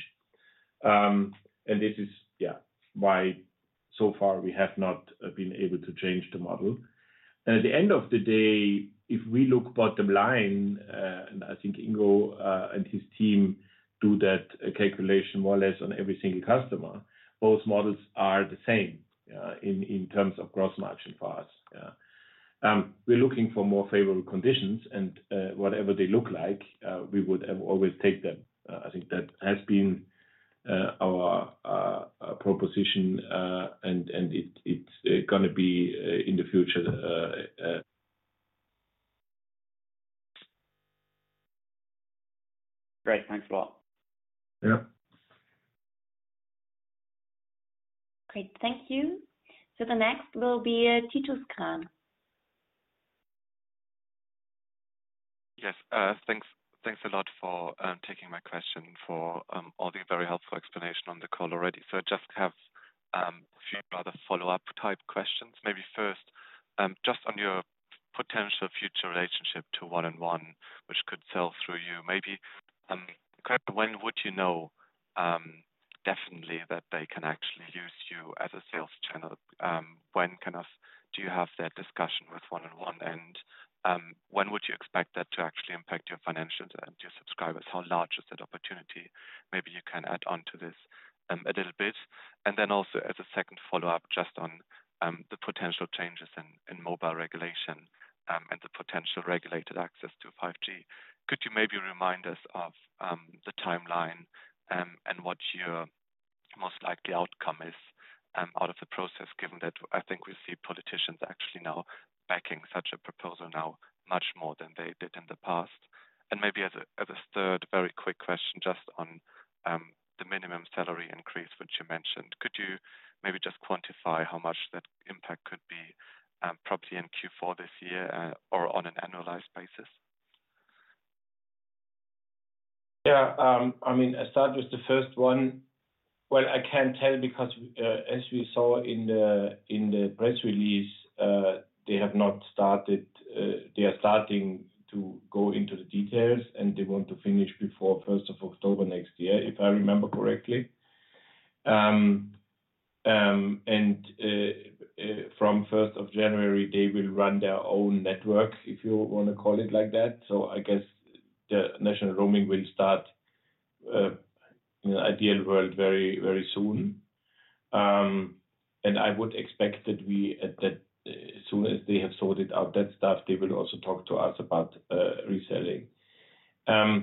Speaker 1: And this is, yeah, why so far we have not been able to change the model. At the end of the day, if we look bottom line, I think Ingo and his team do that calculation more or less on every single customer. Both models are the same in terms of gross margin for us. Yeah. We're looking for more favorable conditions, whatever they look like, we would have always take them. I think that has been our proposition, and it's gonna be in the future...
Speaker 7: Great. Thanks a lot.
Speaker 1: Yeah.
Speaker 3: Great. Thank you. The next will be Titus Karn.
Speaker 8: Yes. Thanks, thanks a lot for taking my question, for all the very helpful explanation on the call already. I just have a few other follow-up type questions. Maybe first, just on your potential future relationship to one-on-one, which could sell through you. Maybe, when would definitely that they can actually use you as a sales channel? When, kind of, do you have that discussion with one-on-one, and when would you expect that to actually impact your financials and your subscribers? How large is that opportunity? Maybe you can add on to this a little bit. Then also as a second follow-up, just on the potential changes in, in mobile regulation, and the potential regulated access to 5G. Could you maybe remind us of the timeline and what your most likely outcome is out of the process, given that I think we see politicians actually now backing such a proposal now much more than they did in the past? Maybe as a, as a third very quick question, just on the minimum salary increase, which you mentioned. Could you maybe just quantify how much that impact could be probably in Q4 this year or on an annualized basis?
Speaker 1: Yeah, I mean, I start with the 1st one. Well, I can't tell because, as we saw in the, in the press release, they have not started. They are starting to go into the details, and they want to finish before 1st of October next year, if I remember correctly. From 1st of January, they will run their own network, if you want to call it like that. I guess the national roaming will start, in ideal world, very, very soon. I would expect that we, at that, as soon as they have sorted out that stuff, they will also talk to us about reselling. I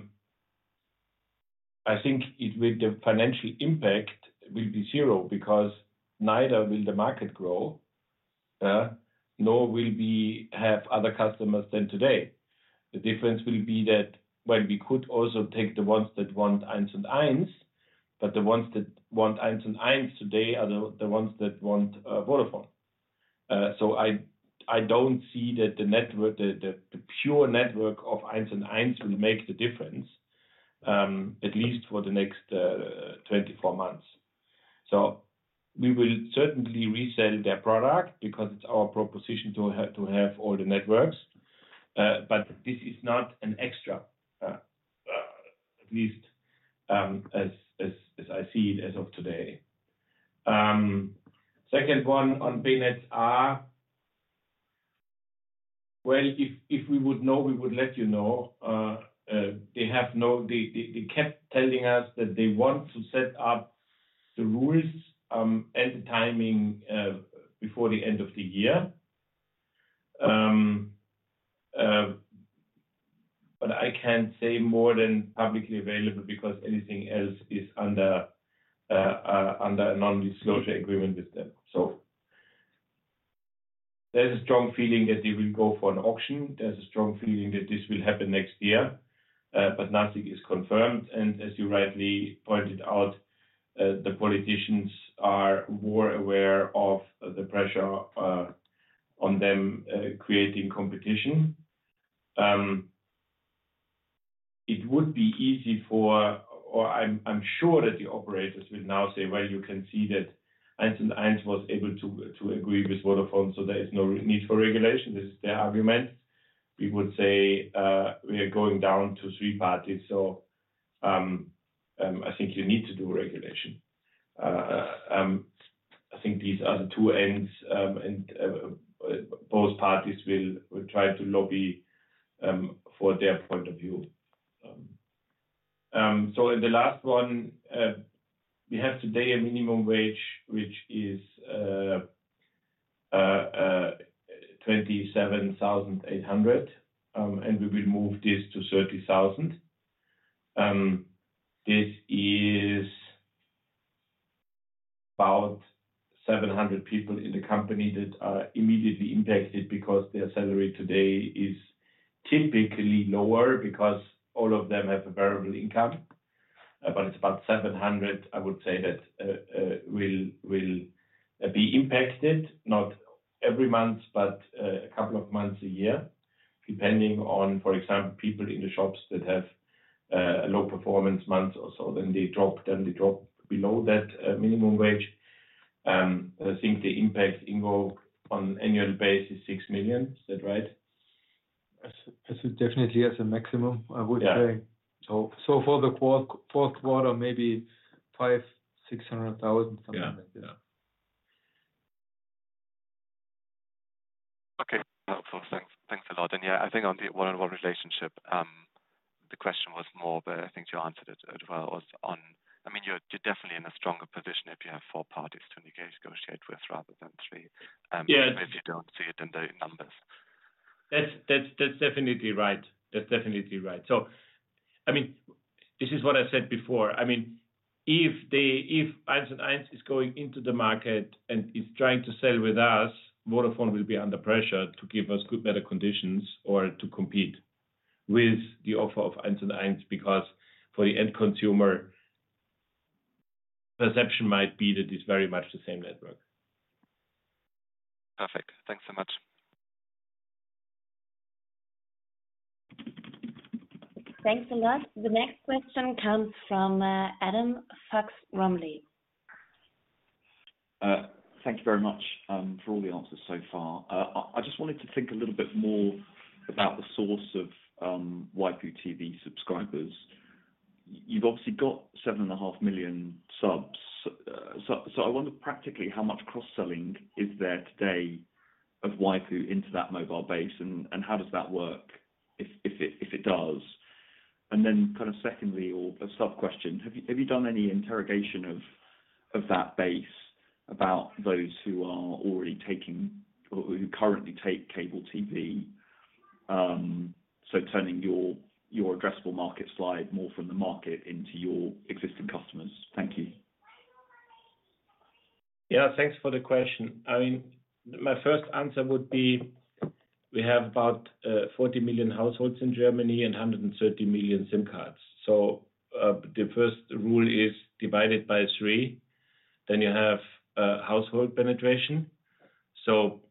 Speaker 1: think it, with the financial impact will be 0, because neither will the market grow, nor will we have other customers than today. The difference will be that while we could also take the ones that want Eins und Eins, the ones that want Eins und Eins today are the ones that want Vodafone. I don't see that the network, the pure network of Eins und Eins, will make the difference, at least for the next 24 months. We will certainly resell their product because it's our proposition to have all the networks, but this is not an extra, at least as I see it as of today. Second one, on B.Net R, well, if we would know, we would let. They have no-- they, they, they kept telling us that they want to set up the rules, and the timing before the end of the year. I can't say more than publicly available because anything else is under a non-disclosure agreement with them. There's a strong feeling that they will go for an auction. There's a strong feeling that this will happen next year, but nothing is confirmed. As you rightly pointed out, the politicians are more aware of the pressure on them, creating competition. It would be easy for... Or I'm, I'm sure that the operators will now say, "Well, you can see that 1&1 was able to, to agree with Vodafone, so there is no need for regulation." This is their argument. We would say, "We are going down to three parties, so I think you need to do regulation." I think these are the two ends, and both parties will try to lobby for their point of view. In the last one, we have today a minimum wage, which is 27,800, and we will move this to 30,000. This is about 700 people in the company that are immediately impacted because their salary today is typically lower, because all of them have a variable income. It's about 700, I would say, that will, will be impacted, not every month, but a couple of months a year, depending on, for example, people in the shops that have a low performance month or so, then they drop, then they drop below that minimum wage. I think the impact involved on annual basis is 6 million. Is that right?
Speaker 2: Yes. That's definitely as a maximum, I would say.
Speaker 1: Yeah.
Speaker 2: So for the Q4, maybe 500,000-600,000, something like that.
Speaker 1: Yeah. Yeah.
Speaker 8: Okay, helpful. Thanks. Thanks a lot. Yeah, I think on the one-on-one relationship, the question was more, but I think you answered it as well, was on. I mean, you're, you're definitely in a stronger position if you have four parties to negotiate, negotiate with rather than three.
Speaker 1: Yeah.
Speaker 8: If you don't see it in the numbers.
Speaker 1: That's, that's, that's definitely right. That's definitely right. I mean, this is what I said before. I mean, if they, if Eins und Eins is going into the market and is trying to sell with us, Vodafone will be under pressure to give us good, better conditions or to compete with the offer of Eins und Eins, because for the end consumer, perception might be that it's very much the same network.
Speaker 8: Perfect. Thanks so much.
Speaker 3: Thanks a lot. The next question comes from Adam Fox-Romley.
Speaker 9: Thank you very much for all the answers so far. I, I just wanted to think a little bit more about the source of Waipu TV subscribers. You've obviously got 7.5 million subs. I wonder practically, how much cross-selling is there today of Waipu into that mobile base, and, and how does that work, if, if it, if it does? Secondly, or a sub-question, have you, have you done any interrogation of, of that base about those who are already taking or who currently take cable TV? Turning your, your addressable market slide more from the market into your existing customers. Thank you.
Speaker 1: Yeah, thanks for the question. I mean, my first answer would be, we have about 40 million households in Germany and 130 million SIM cards. The first rule is divided by 3, then you have household penetration.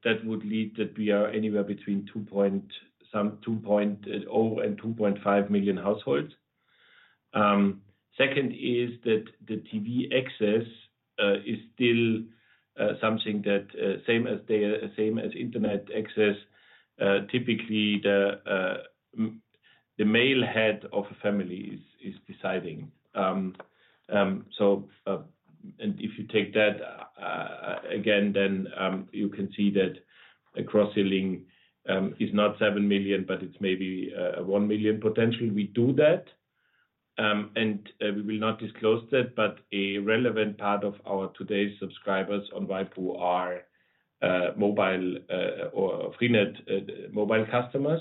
Speaker 1: That would lead that we are anywhere between two point some, 2.0, and 2.5 million households. Second is that the TV access is still something that, same as the, same as Internet access. Typically, the male head of a family is, is deciding. If you take that again, you can see that the cross-selling is not 7 million, but it's maybe 1 million potentially. We do that, and we will not disclose that, but a relevant part of our today's subscribers on Waipu are mobile or Freenet mobile customers.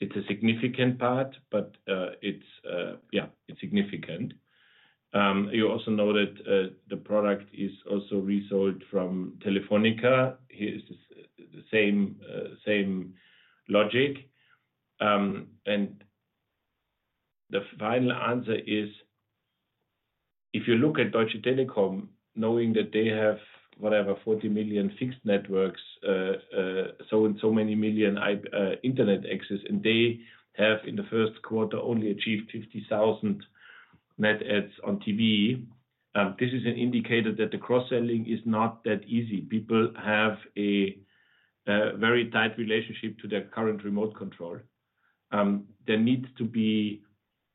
Speaker 1: It's a significant part, but it's significant. You also know that the product is also resold from Telefonica. It's the same logic. And the final answer is, if you look at Deutsche Telekom, knowing that they have whatever, 40 million fixed networks, so and so many million Internet access, and they have, in the Q1, only achieved 50,000 net adds on TV, this is an indicator that the cross-selling is not that easy. People have a very tight relationship to their current remote control. There needs to be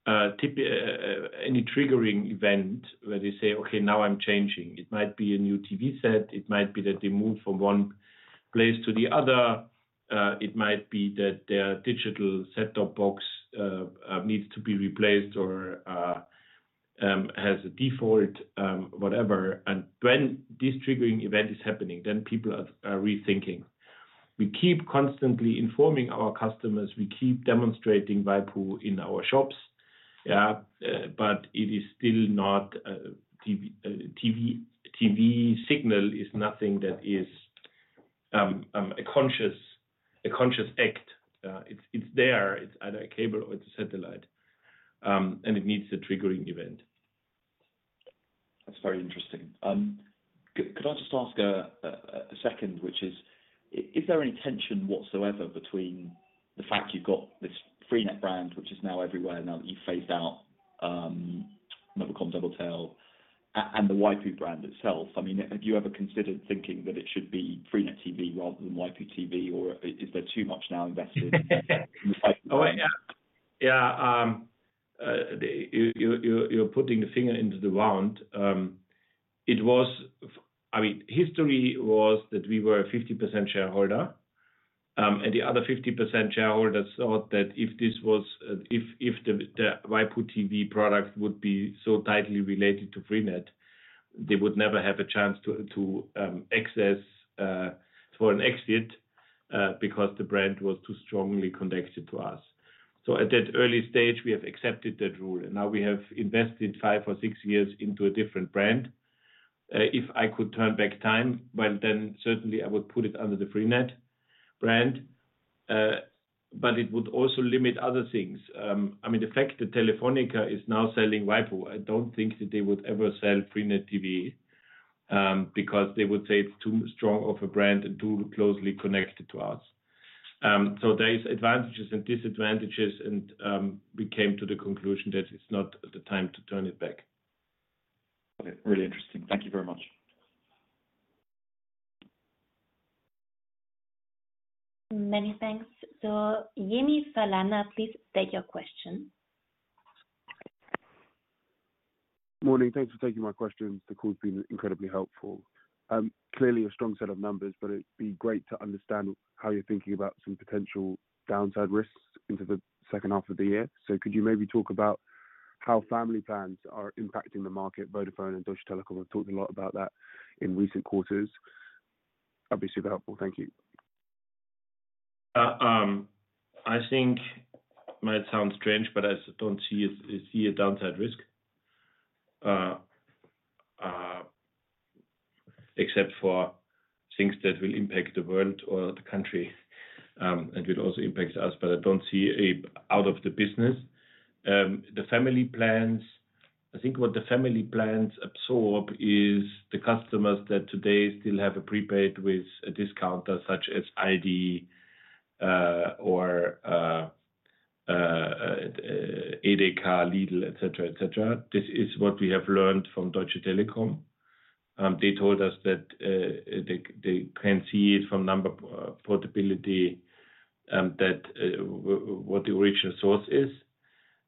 Speaker 1: any triggering event where they say, "Okay, now I'm changing." It might be a new TV set, it might be that they move from one place to the other, it might be that their digital set-top box needs to be replaced or has a default, whatever. When this triggering event is happening, then people are rethinking. We keep constantly informing our customers, we keep demonstrating Waipu in our shops. Yeah, it is still not TV signal is nothing that is a conscious, a conscious act. It's there. It's either a cable or it's a satellite, it needs a triggering event.
Speaker 9: That's very interesting. could I just ask a second, which is there any tension whatsoever between the fact you've got this freenet brand, which is now everywhere, now that you've phased out, another Com Doubletel, and the Waipu brand itself? I mean, have you ever considered thinking that it should be freenet TV rather than Waipu TV, or is there too much now invested in the Waipu?
Speaker 1: Oh, yeah. Yeah, you you're putting the finger into the wound. history was that we were a 50% shareholder, and the other 50% shareholder thought that if this was, if the Waipu TV product would be so tightly related to freenet, they would never have a chance to access for an exit, because the brand was too strongly connected to us. At that early stage, we have accepted that rule, and now we have invested five or six years into a different brand. If I could turn back time, well, then certainly I would put it under the freenet brand, but it would also limit other things. I mean, the fact that Telefonica is now selling Waipu, I don't think that they would ever sell Freenet TV, because they would say it's too strong of a brand and too closely connected to us. There is advantages and disadvantages, and we came to the conclusion that it's not the time to turn it back.
Speaker 9: Okay, really interesting. Thank you very much.
Speaker 3: Many thanks. Yeni Falana, please state your question.
Speaker 10: Morning. Thanks for taking my questions. The call has been incredibly helpful. Clearly a strong set of numbers, but it'd be great to understand how you're thinking about some potential downside risks into the H2 of the year. Could you maybe talk about how family plans are impacting the market? Vodafone and Deutsche Telekom have talked a lot about that in recent quarters. That'd be super helpful. Thank you.
Speaker 1: I think might sound strange, but I don't see a, see a downside risk, except for things that will impact the world or the country, and it also impacts us, but I don't see a out of the business. The family plans, I think what the family plans absorb is the customers that today still have a prepaid with a discounter, such as ID, or EDEKA, Lidl, et cetera, et cetera. This is what we have learned from Deutsche Telekom. They told us that they, they can see it from number portability, that what the original source is.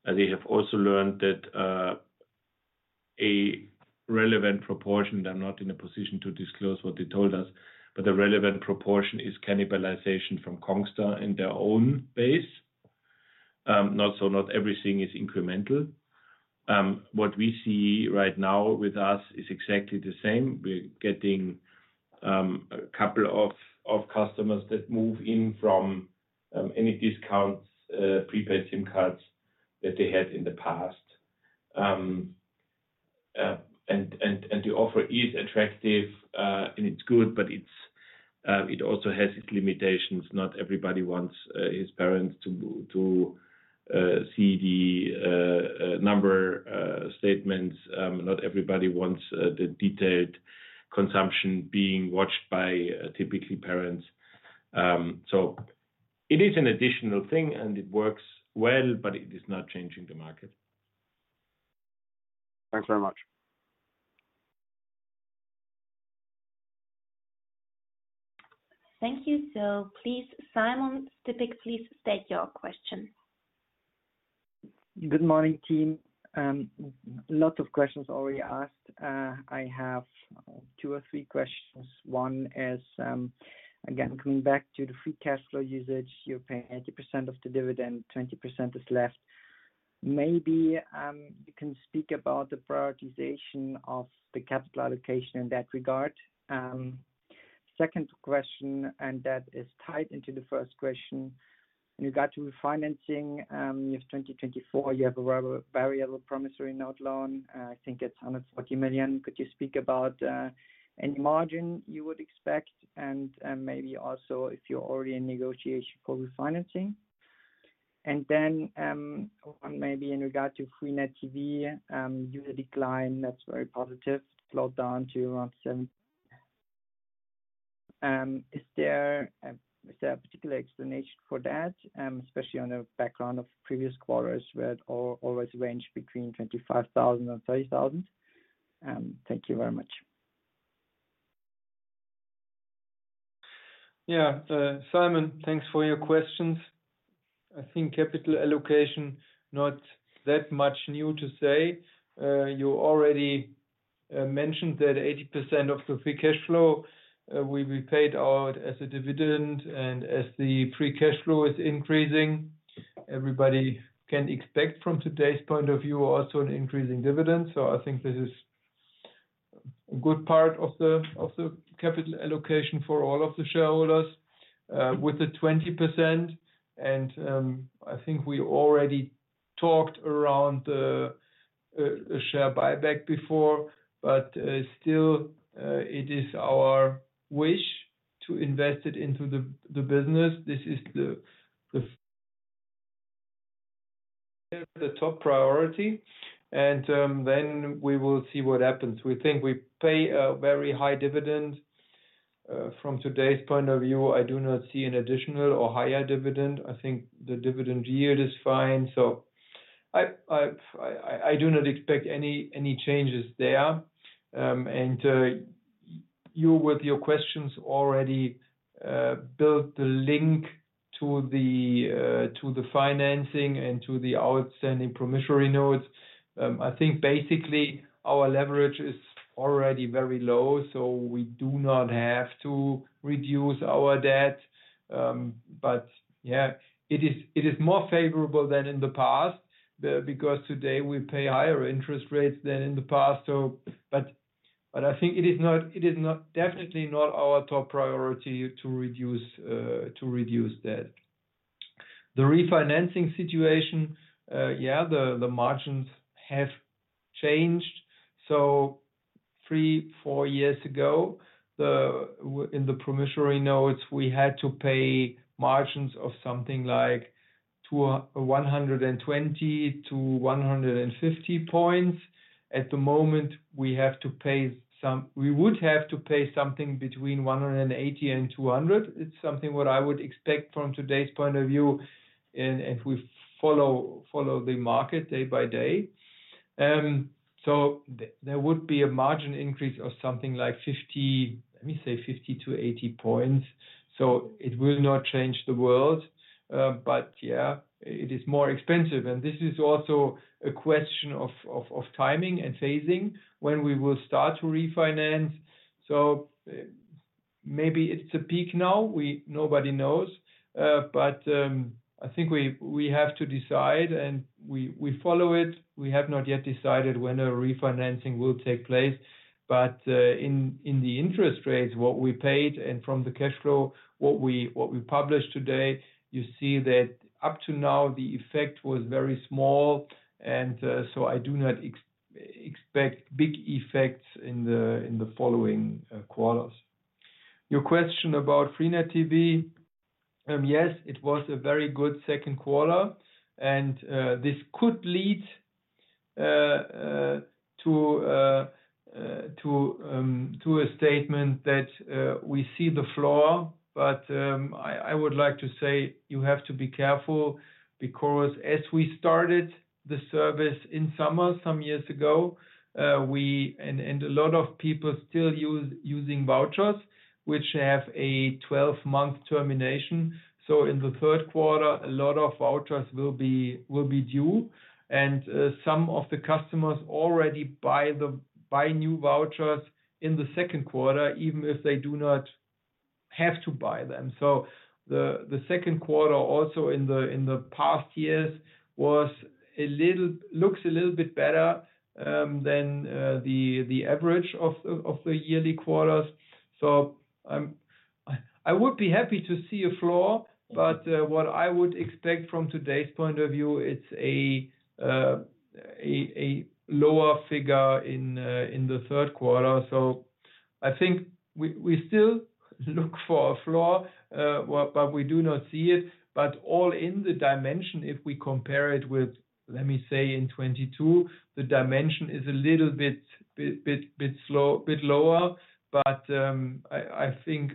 Speaker 1: They have also learned that a relevant proportion, they're not in a position to disclose what they told us, but the relevant proportion is cannibalization from Congstar in their own base. Not so, not everything is incremental. What we see right now with us is exactly the same. We're getting a couple of, of customers that move in from any discounts, prepaid SIM cards....
Speaker 2: that they had in the past. The offer is attractive and it's good, but it also has its limitations. Not everybody wants his parents to see the number statements. Not everybody wants the detailed consumption being watched by typically parents. It is an additional thing, and it works well, but it is not changing the market.
Speaker 10: Thanks very much.
Speaker 3: Thank you. Please, Simon Stipic, please state your question.
Speaker 11: Good morning, team. Lots of questions already asked. I have two or three questions. One is, again, coming back to the free cash flow usage, you pay 80% of the dividend, 20% is left. Maybe, you can speak about the prioritization of the capital allocation in that regard. Second question, that is tied into the first question. In regard to refinancing, in 2024, you have a variable promissory note loan. I think it's 140 million. Could you speak about any margin you would expect? Maybe also if you're already in negotiation for refinancing. Maybe in regard to freenet TV, user decline, that's very positive, slowed down to around seven. Is there a particular explanation for that, especially on the background of previous quarters, where it always range between 25,000 and 30,000? Thank you very much.
Speaker 2: Yeah, Simon, thanks for your questions. I think capital allocation, not that much new to say. You already mentioned that 80% of the free cash flow will be paid out as a dividend, and as the free cash flow is increasing, everybody can expect from today's point of view, also an increase in dividend. I think this is a good part of the, of the capital allocation for all of the shareholders. With the 20%, and I think we already talked around the a share buyback before, but still it is our wish to invest it into the the business. This is the, the... the top priority, and then we will see what happens. We think we pay a very high dividend. From today's point of view, I do not see an additional or higher dividend. I think the dividend yield is fine, so I do not expect any, any changes there. You with your questions already built the link to the financing and to the outstanding promissory notes. I think basically our leverage is already very low, so we do not have to reduce our debt. Yeah, it is, it is more favorable than in the past, because today we pay higher interest rates than in the past. I think it is not definitely not our top priority to reduce to reduce debt. The refinancing situation, yeah, the margins have changed. Three, four years ago, in the promissory notes, we had to pay margins of something like to a 120 to 150 points. At the moment, we have to pay something between 180 and 200. It's something what I would expect from today's point of view and if we follow, follow the market day by day. There would be a margin increase of something like 50, let me say 50-80 points, it will not change the world. Yeah, it is more expensive. This is also a question of, of, of timing and phasing when we will start to refinance. Maybe it's a peak now, nobody knows. I think we, we have to decide, and we, we follow it. We have not yet decided when a refinancing will take place, but in the interest rates, what we paid and from the cash flow, what we published today, you see that up to now, the effect was very small, so I do not expect big effects in the following quarters. Your question about freenet TV, yes, it was a very good Q2, and this could lead to a statement that we see the floor. I would like to say you have to be careful because as we started the service in summer, some years ago, we and a lot of people still using vouchers, which have a 12-month termination. In the Q3, a lot of vouchers will be, will be due, and some of the customers already buy new vouchers in the second quarter, even if they do not have to buy them. The, t Q2, also in the past years, was a little looks a little bit better, than the average of the, of the yearly quarters. I- I would be happy to see a floor. What I would expect from today's point of view, it's a lower figure in the Q3. I think we still look for a floor, but we do not see it. All in the dimension, if we compare it with, let me say, in 22, the dimension is a little bit slow, bit lower. I think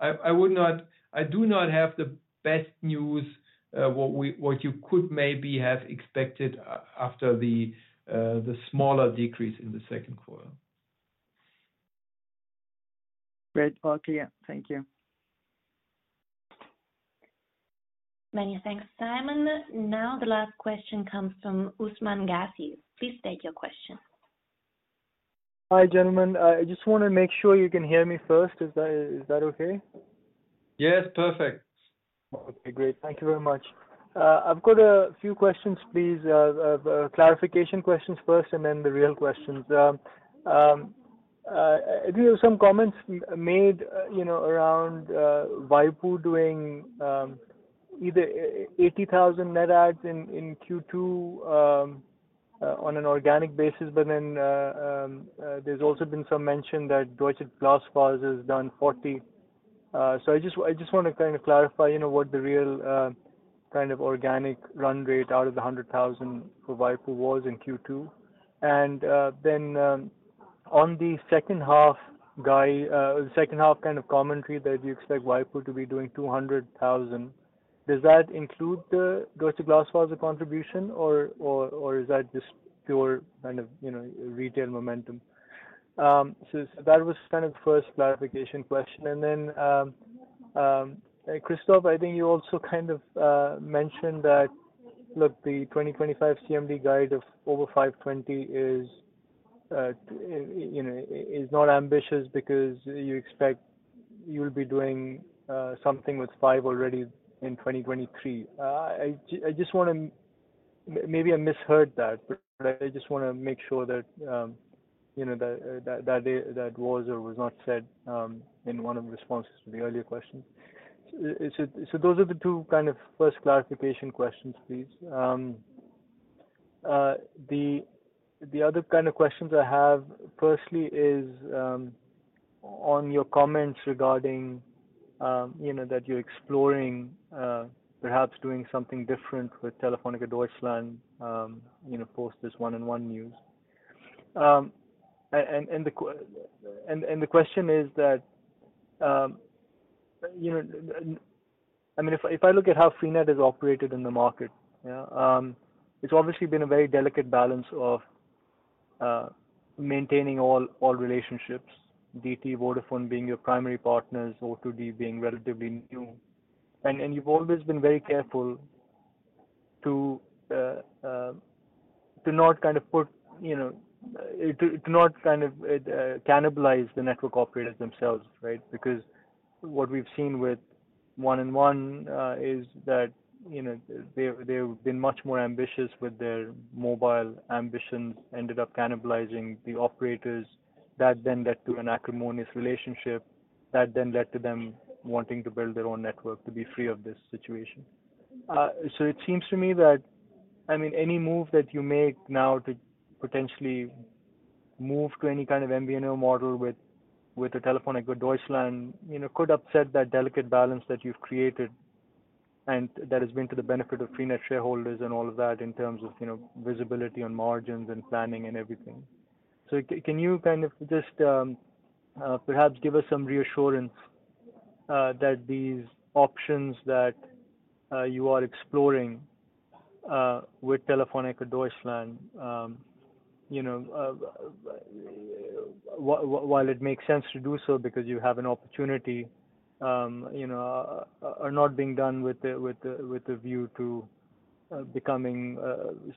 Speaker 2: I would not-- I do not have the best news, what you could maybe have expected after the smaller decrease in the Q2.
Speaker 11: Great. All clear. Thank you.
Speaker 3: Many thanks, Simon. Now, the last question comes from Usman Ghazi. Please state your question.
Speaker 12: Hi, gentlemen. I just wanna make sure you can hear me first. Is that, is that okay?
Speaker 2: Yes, perfect.
Speaker 12: Okay, great. Thank you very much. I've got a few questions, please. Clarification questions first, then the real questions. There were some comments made around Waipu doing either 80,000 net adds in Q2 on an organic basis. Then there's also been some mention that Deutsche Glasfaser has done 40. I just, I just wanna kind of clarify what the real kind of organic run rate out of the 100,000 for Waipu was in Q2. Then on the H2, guy, H2 kind of commentary that you expect Waipu to be doing 200,000, does that include the Deutsche Glasfaser contribution, or, or, or is that just pure kind of retail momentum? That was kind of the first clarification question. Christoph, I think you also kind of mentioned that, look, the 2025 CMD guide of over 520 is is not ambitious because you expect you'll be doing something with 5 already in 2023. I just wanna Maybe I misheard that, but I just wanna make sure that that, that, that was or was not said in one of the responses to the earlier questions. Those are the two kind of first clarification questions, please. The other kind of questions I have, firstly, is on your comments regarding that you're exploring perhaps doing something different with Telefonica deutschland post this one-on-one news. The question is that I mean, if I, if I look at how freenet is operated in the market, yeah, it's obviously been a very delicate balance of maintaining all, all relationships, DT, Vodafone being your primary partners, O2D being relatively new. You've always been very careful to not kind of cannibalize the network operators themselves, right? Because what we've seen with one-on-one is that they've, they've been much more ambitious with their mobile ambitions, ended up cannibalizing the operators. That then led to an acrimonious relationship, that then led to them wanting to build their own network to be free of this situation. It seems to me that, I mean, any move that you make now to potentially move to any kind of MVNO model with, with the Telefonica deutschland could upset that delicate balance that you've created, and that has been to the benefit of freenet shareholders and all of that in terms of visibility on margins and planning and everything. Ca- can you kind of just, perhaps give us some reassurance that these options that you are exploring with Telefonica deutschland wh- wh- while it makes sense to do so because you have an opportunity are not being done with the, with the, with the view to becoming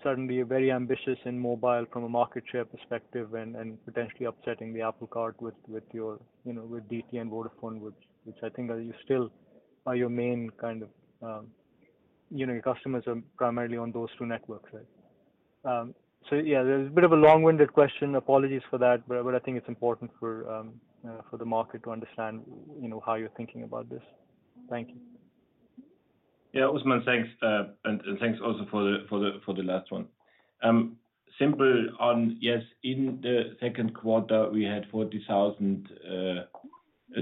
Speaker 12: suddenly very ambitious in mobile from a market share perspective and, and potentially upsetting the apple cart with, with your with DT and Vodafone, which, which I think are you still are your main kind of your customers are primarily on those two networks, right? Yeah, there's a bit of a long-winded question. Apologies for that, but, but I think it's important for the market to understand how you're thinking about this. Thank you.
Speaker 1: Yeah, Usman, thanks. Thanks also for the last one. Simple on, yes, in the Q2, we had 40,000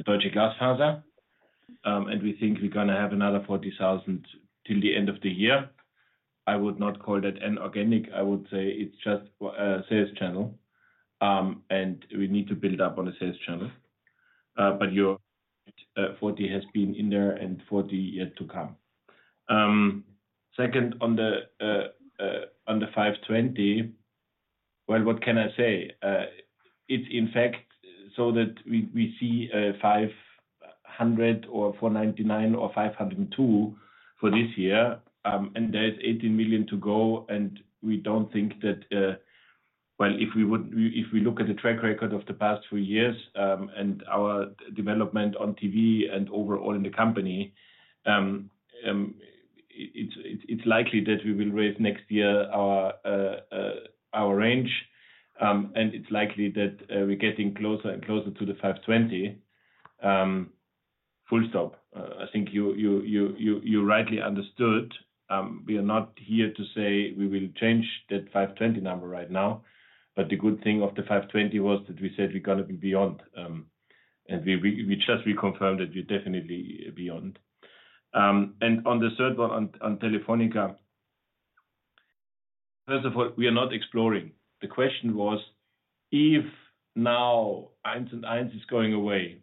Speaker 1: Deutsche Glasfaser, we think we're going to have another 40,000 till the end of the year. I would not call that inorganic. I would say it's just a sales channel, we need to build up on the sales channel. 40 has been in there and 40 yet to come. Second, on the 520, well, what can I say? It's in fact, so that we see 500 or 499 or 502 for this year, there's 18 million to go, we don't think that. Well, if we would, if we look at the track record of the past three years, and our development on TV and overall in the company, it's, it's likely that we will raise next year our, our range.... and it's likely that we're getting closer and closer to the 520. full stop. I think you, you, you, you, you rightly understood. We are not here to say we will change that 520 number right now, but the good thing of the 520 was that we said we're gonna be beyond, and we, we just reconfirmed that we're definitely beyond. On the third one, on, on Telefonica, first of what we are not exploring. The question was, if now Eins&Eins is going away,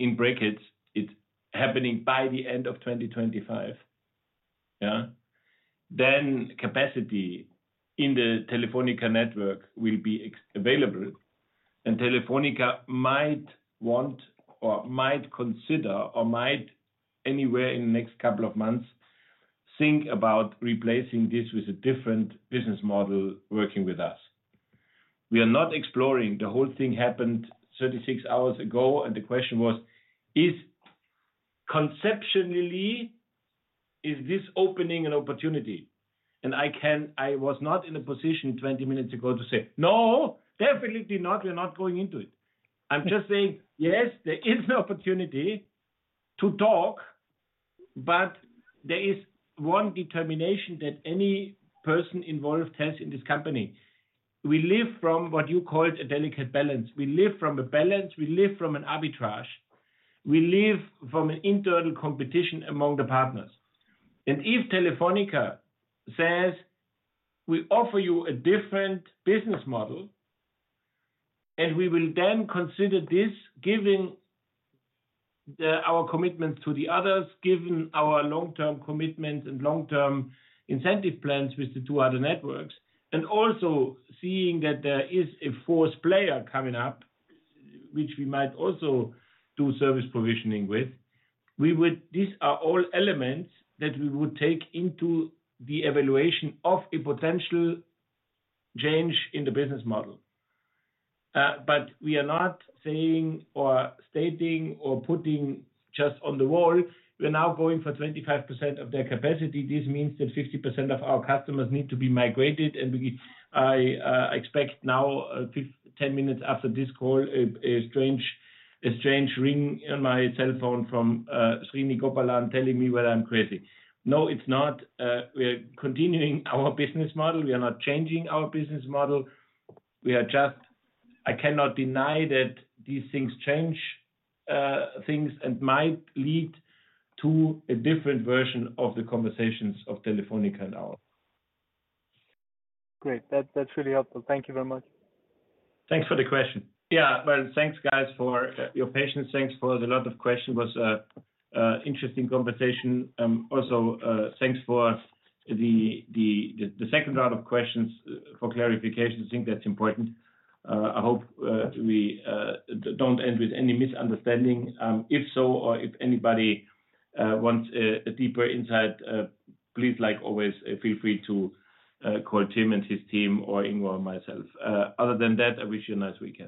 Speaker 1: in brackets, it's happening by the end of 2025, yeah, then capacity in the Telefonica network will be available, and Telefonica might want or might consider or might, anywhere in the next couple of months, think about replacing this with a different business model working with us. We are not exploring. The whole thing happened 36 hours ago.
Speaker 12: The question was, "Is conceptually, is this opening an opportunity?" I was not in a position 20 minutes ago to say, "No, definitely not. We're not going into it." I'm just saying, "Yes, there is an opportunity to talk," but there is one determination that any person involved has in this company. We live from what you call a delicate balance. We live from a balance, we live from an arbitrage, we live from an internal competition among the partners.
Speaker 1: If Telefonica says, "We offer you a different business model," and we will then consider this, given our commitments to the others, given our long-term commitment and long-term incentive plans with the two other networks, and also seeing that there is a fourth player coming up, which we might also do service provisioning with, we would. These are all elements that we would take into the evaluation of a potential change in the business model. We are not saying or stating or putting just on the wall, we're now going for 25% of their capacity. This means that 60% of our customers need to be migrated, and we, I, expect now, 10 minutes after this call, a strange, a strange ring in my telephone from Srini Gopalan, telling me whether I'm crazy. No, it's not. We are continuing our business model. We are not changing our business model. We are just-- I cannot deny that these things change, things and might lead to a different version of the conversations of Telefonica and ours.
Speaker 12: Great. That's really helpful. Thank you very much.
Speaker 1: Thanks for the question. Yeah, well, thanks, guys, for your patience. Thanks for the lot of question. It was a interesting conversation. Also, thanks for the second round of questions for clarification. I think that's important. I hope we don't end with any misunderstanding. If so, or if anybody wants a deeper insight, please, like always, feel free to call Tim and his team or Ingrid or myself. Other than that, I wish you a nice weekend.